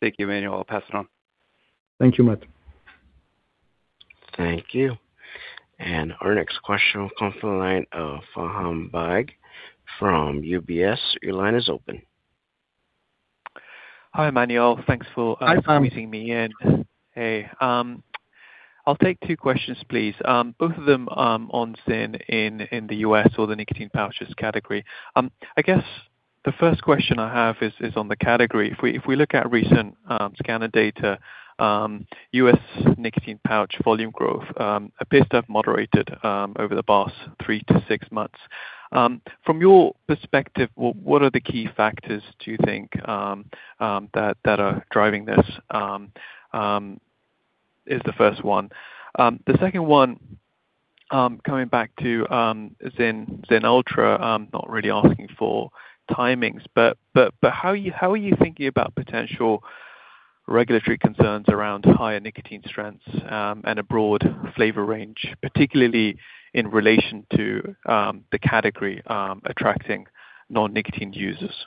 Thank you, Emmanuel. I'll pass it on. Thank you, Matt. Thank you. Our next question will come from the line of Faham Baig from UBS. Your line is open. Hi, Emmanuel. Thanks for Hi, Faham. Hey. I'll take two questions please, both of them on ZYN in the U.S. or the nicotine pouches category. I guess the first question I have is on the category. If we look at recent scanner data, U.S. nicotine pouch volume growth appears to have moderated over the past three to six months. From your perspective, what are the key factors do you think that are driving this? That's the first one. The second one, coming back to ZYN Ultra, I'm not really asking for timings, but how are you thinking about potential regulatory concerns around higher nicotine strengths and a broad flavor range, particularly in relation to the category attracting non-nicotine users?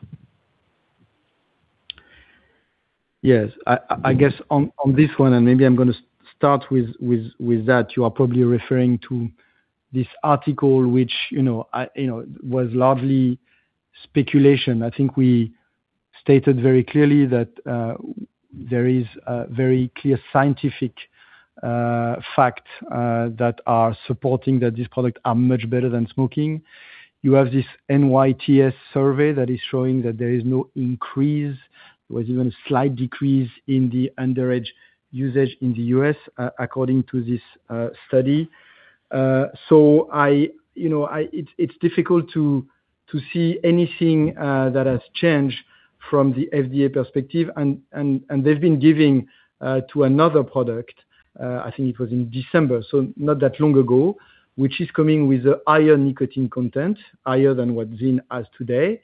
Yes. I guess on this one, and maybe I'm gonna start with that, you are probably referring to this article which was largely speculation. I think we stated very clearly that there is a very clear scientific fact that are supporting that this product are much better than smoking. You have this NYTS survey that is showing that there is no increase. There was even a slight decrease in the underage usage in the U.S. according to this study. It's difficult to see anything that has changed from the FDA perspective. They've been giving to another product. I think it was in December, so not that long ago, which is coming with a higher nicotine content, higher than what ZYN has today.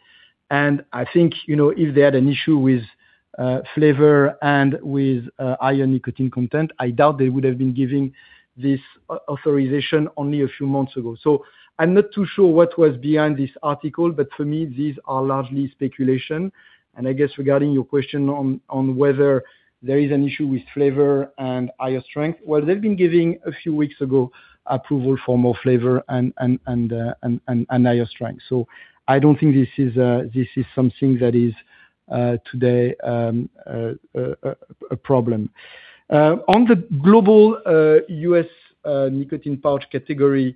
I think, if they had an issue with flavor and with higher nicotine content, I doubt they would have been giving this authorization only a few months ago. I'm not too sure what was behind this article. For me, these are largely speculation. I guess regarding your question on whether there is an issue with flavor and higher strength, well, they've been giving, a few weeks ago, approval for more flavor and higher strength. I don't think this is something that is today a problem. On the global U.S. nicotine pouch category,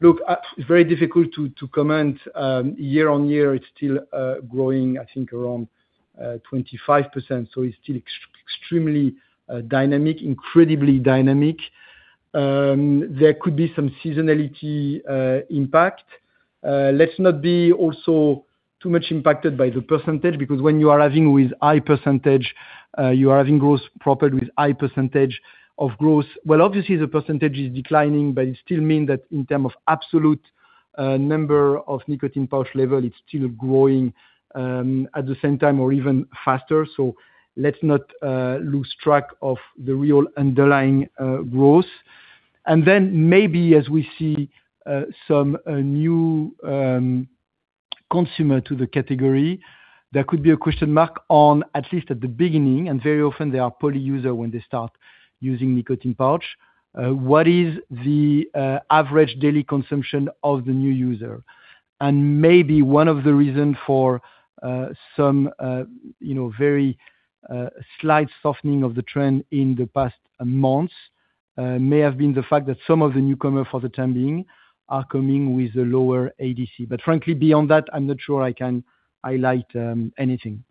look, it's very difficult to comment. Year-over-year, it's still growing, I think around 25%. It's still extremely dynamic, incredibly dynamic. There could be some seasonality impact. Let's not be also too much impacted by the percentage because when you are having with high percentage, you are having growth propelled with high percentage of growth. Well, obviously the percentage is declining, but it still mean that in terms of absolute number of nicotine pouch level, it's still growing, at the same time or even faster. Let's not lose track of the real underlying growth. Maybe as we see some new consumer to the category, there could be a question mark on, at least at the beginning, and very often they are poly user when they start using nicotine pouch. What is the average daily consumption of the new user? Maybe one of the reason for some very slight softening of the trend in the past months, may have been the fact that some of the newcomers for the time being are coming with a lower ADC. Frankly, beyond that, I'm not sure I can highlight anything.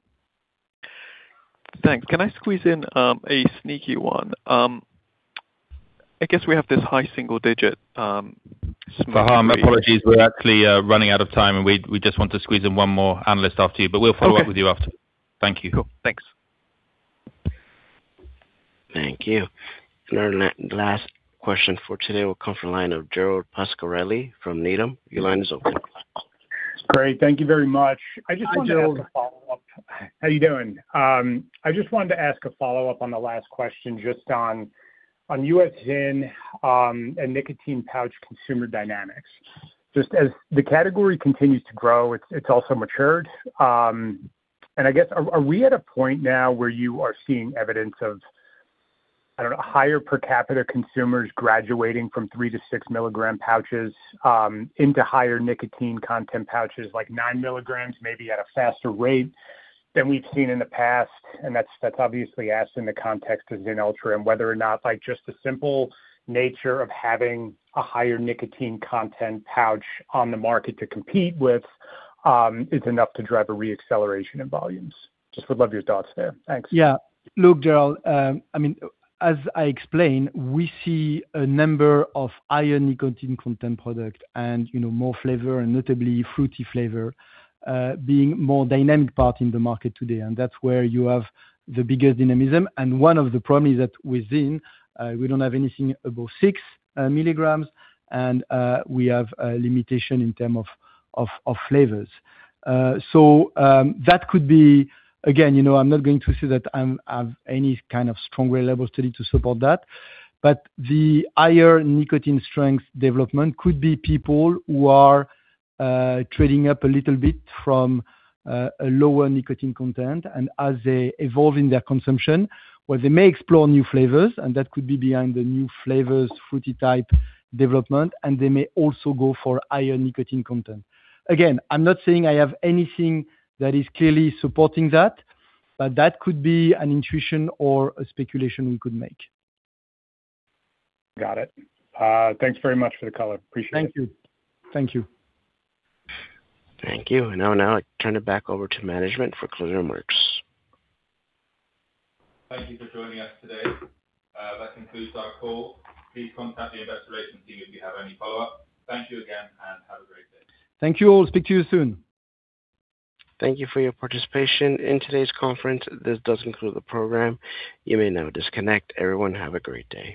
Thanks. Can I squeeze in a sneaky one? I guess we have this high single digit. Faham, my apologies. We're actually running out of time, and we just want to squeeze in one more analyst after you, but we'll follow up. Okay. With you after. Thank you. Cool. Thanks. Thank you. Our last question for today will come from line of Gerald Pascarelli from Needham. Your line is open. Great. Thank you very much. Hi, Gerald. How are you doing? I just wanted to ask a follow-up on the last question, just on ZYN, and nicotine pouch consumer dynamics. Just as the category continues to grow, it's also matured. I guess, are we at a point now where you are seeing evidence of, I don't know, higher per capita consumers graduating from 3 mg-6 mg pouches, into higher nicotine content pouches, like 9 mg, maybe at a faster rate than we've seen in the past? That's obviously asked in the context of ZYN Ultra, and whether or not, just the simple nature of having a higher nicotine content pouch on the market to compete with, is enough to drive a re-acceleration in volumes. Just would love your thoughts there. Thanks. Yeah. Look, Gerald, as I explained, we see a number of higher nicotine content product and more flavor and notably fruity flavor, being more dynamic part in the market today, and that's where you have the biggest dynamism. One of the problem is that with ZYN, we don't have anything above 6 mg, and we have a limitation in terms of flavors. That could be, again, I'm not going to say that I have any kind of strong level study to support that, but the higher nicotine strength development could be people who are trading up a little bit from a lower nicotine content, and as they evolve in their consumption, well, they may explore new flavors, and that could be behind the new flavors, fruity type development, and they may also go for higher nicotine content. Again, I'm not saying I have anything that is clearly supporting that, but that could be an intuition or a speculation we could make. Got it. Thanks very much for the color. Appreciate it. Thank you. Thank you. Now I turn it back over to management for closing remarks. Thank you for joining us today. That concludes our call. Please contact the investor relations team if you have any follow-ups. Thank you again, and have a great day. Thank you all. Speak to you soon. Thank you for your participation in today's conference. This does conclude the program. You may now disconnect. Everyone, have a great day.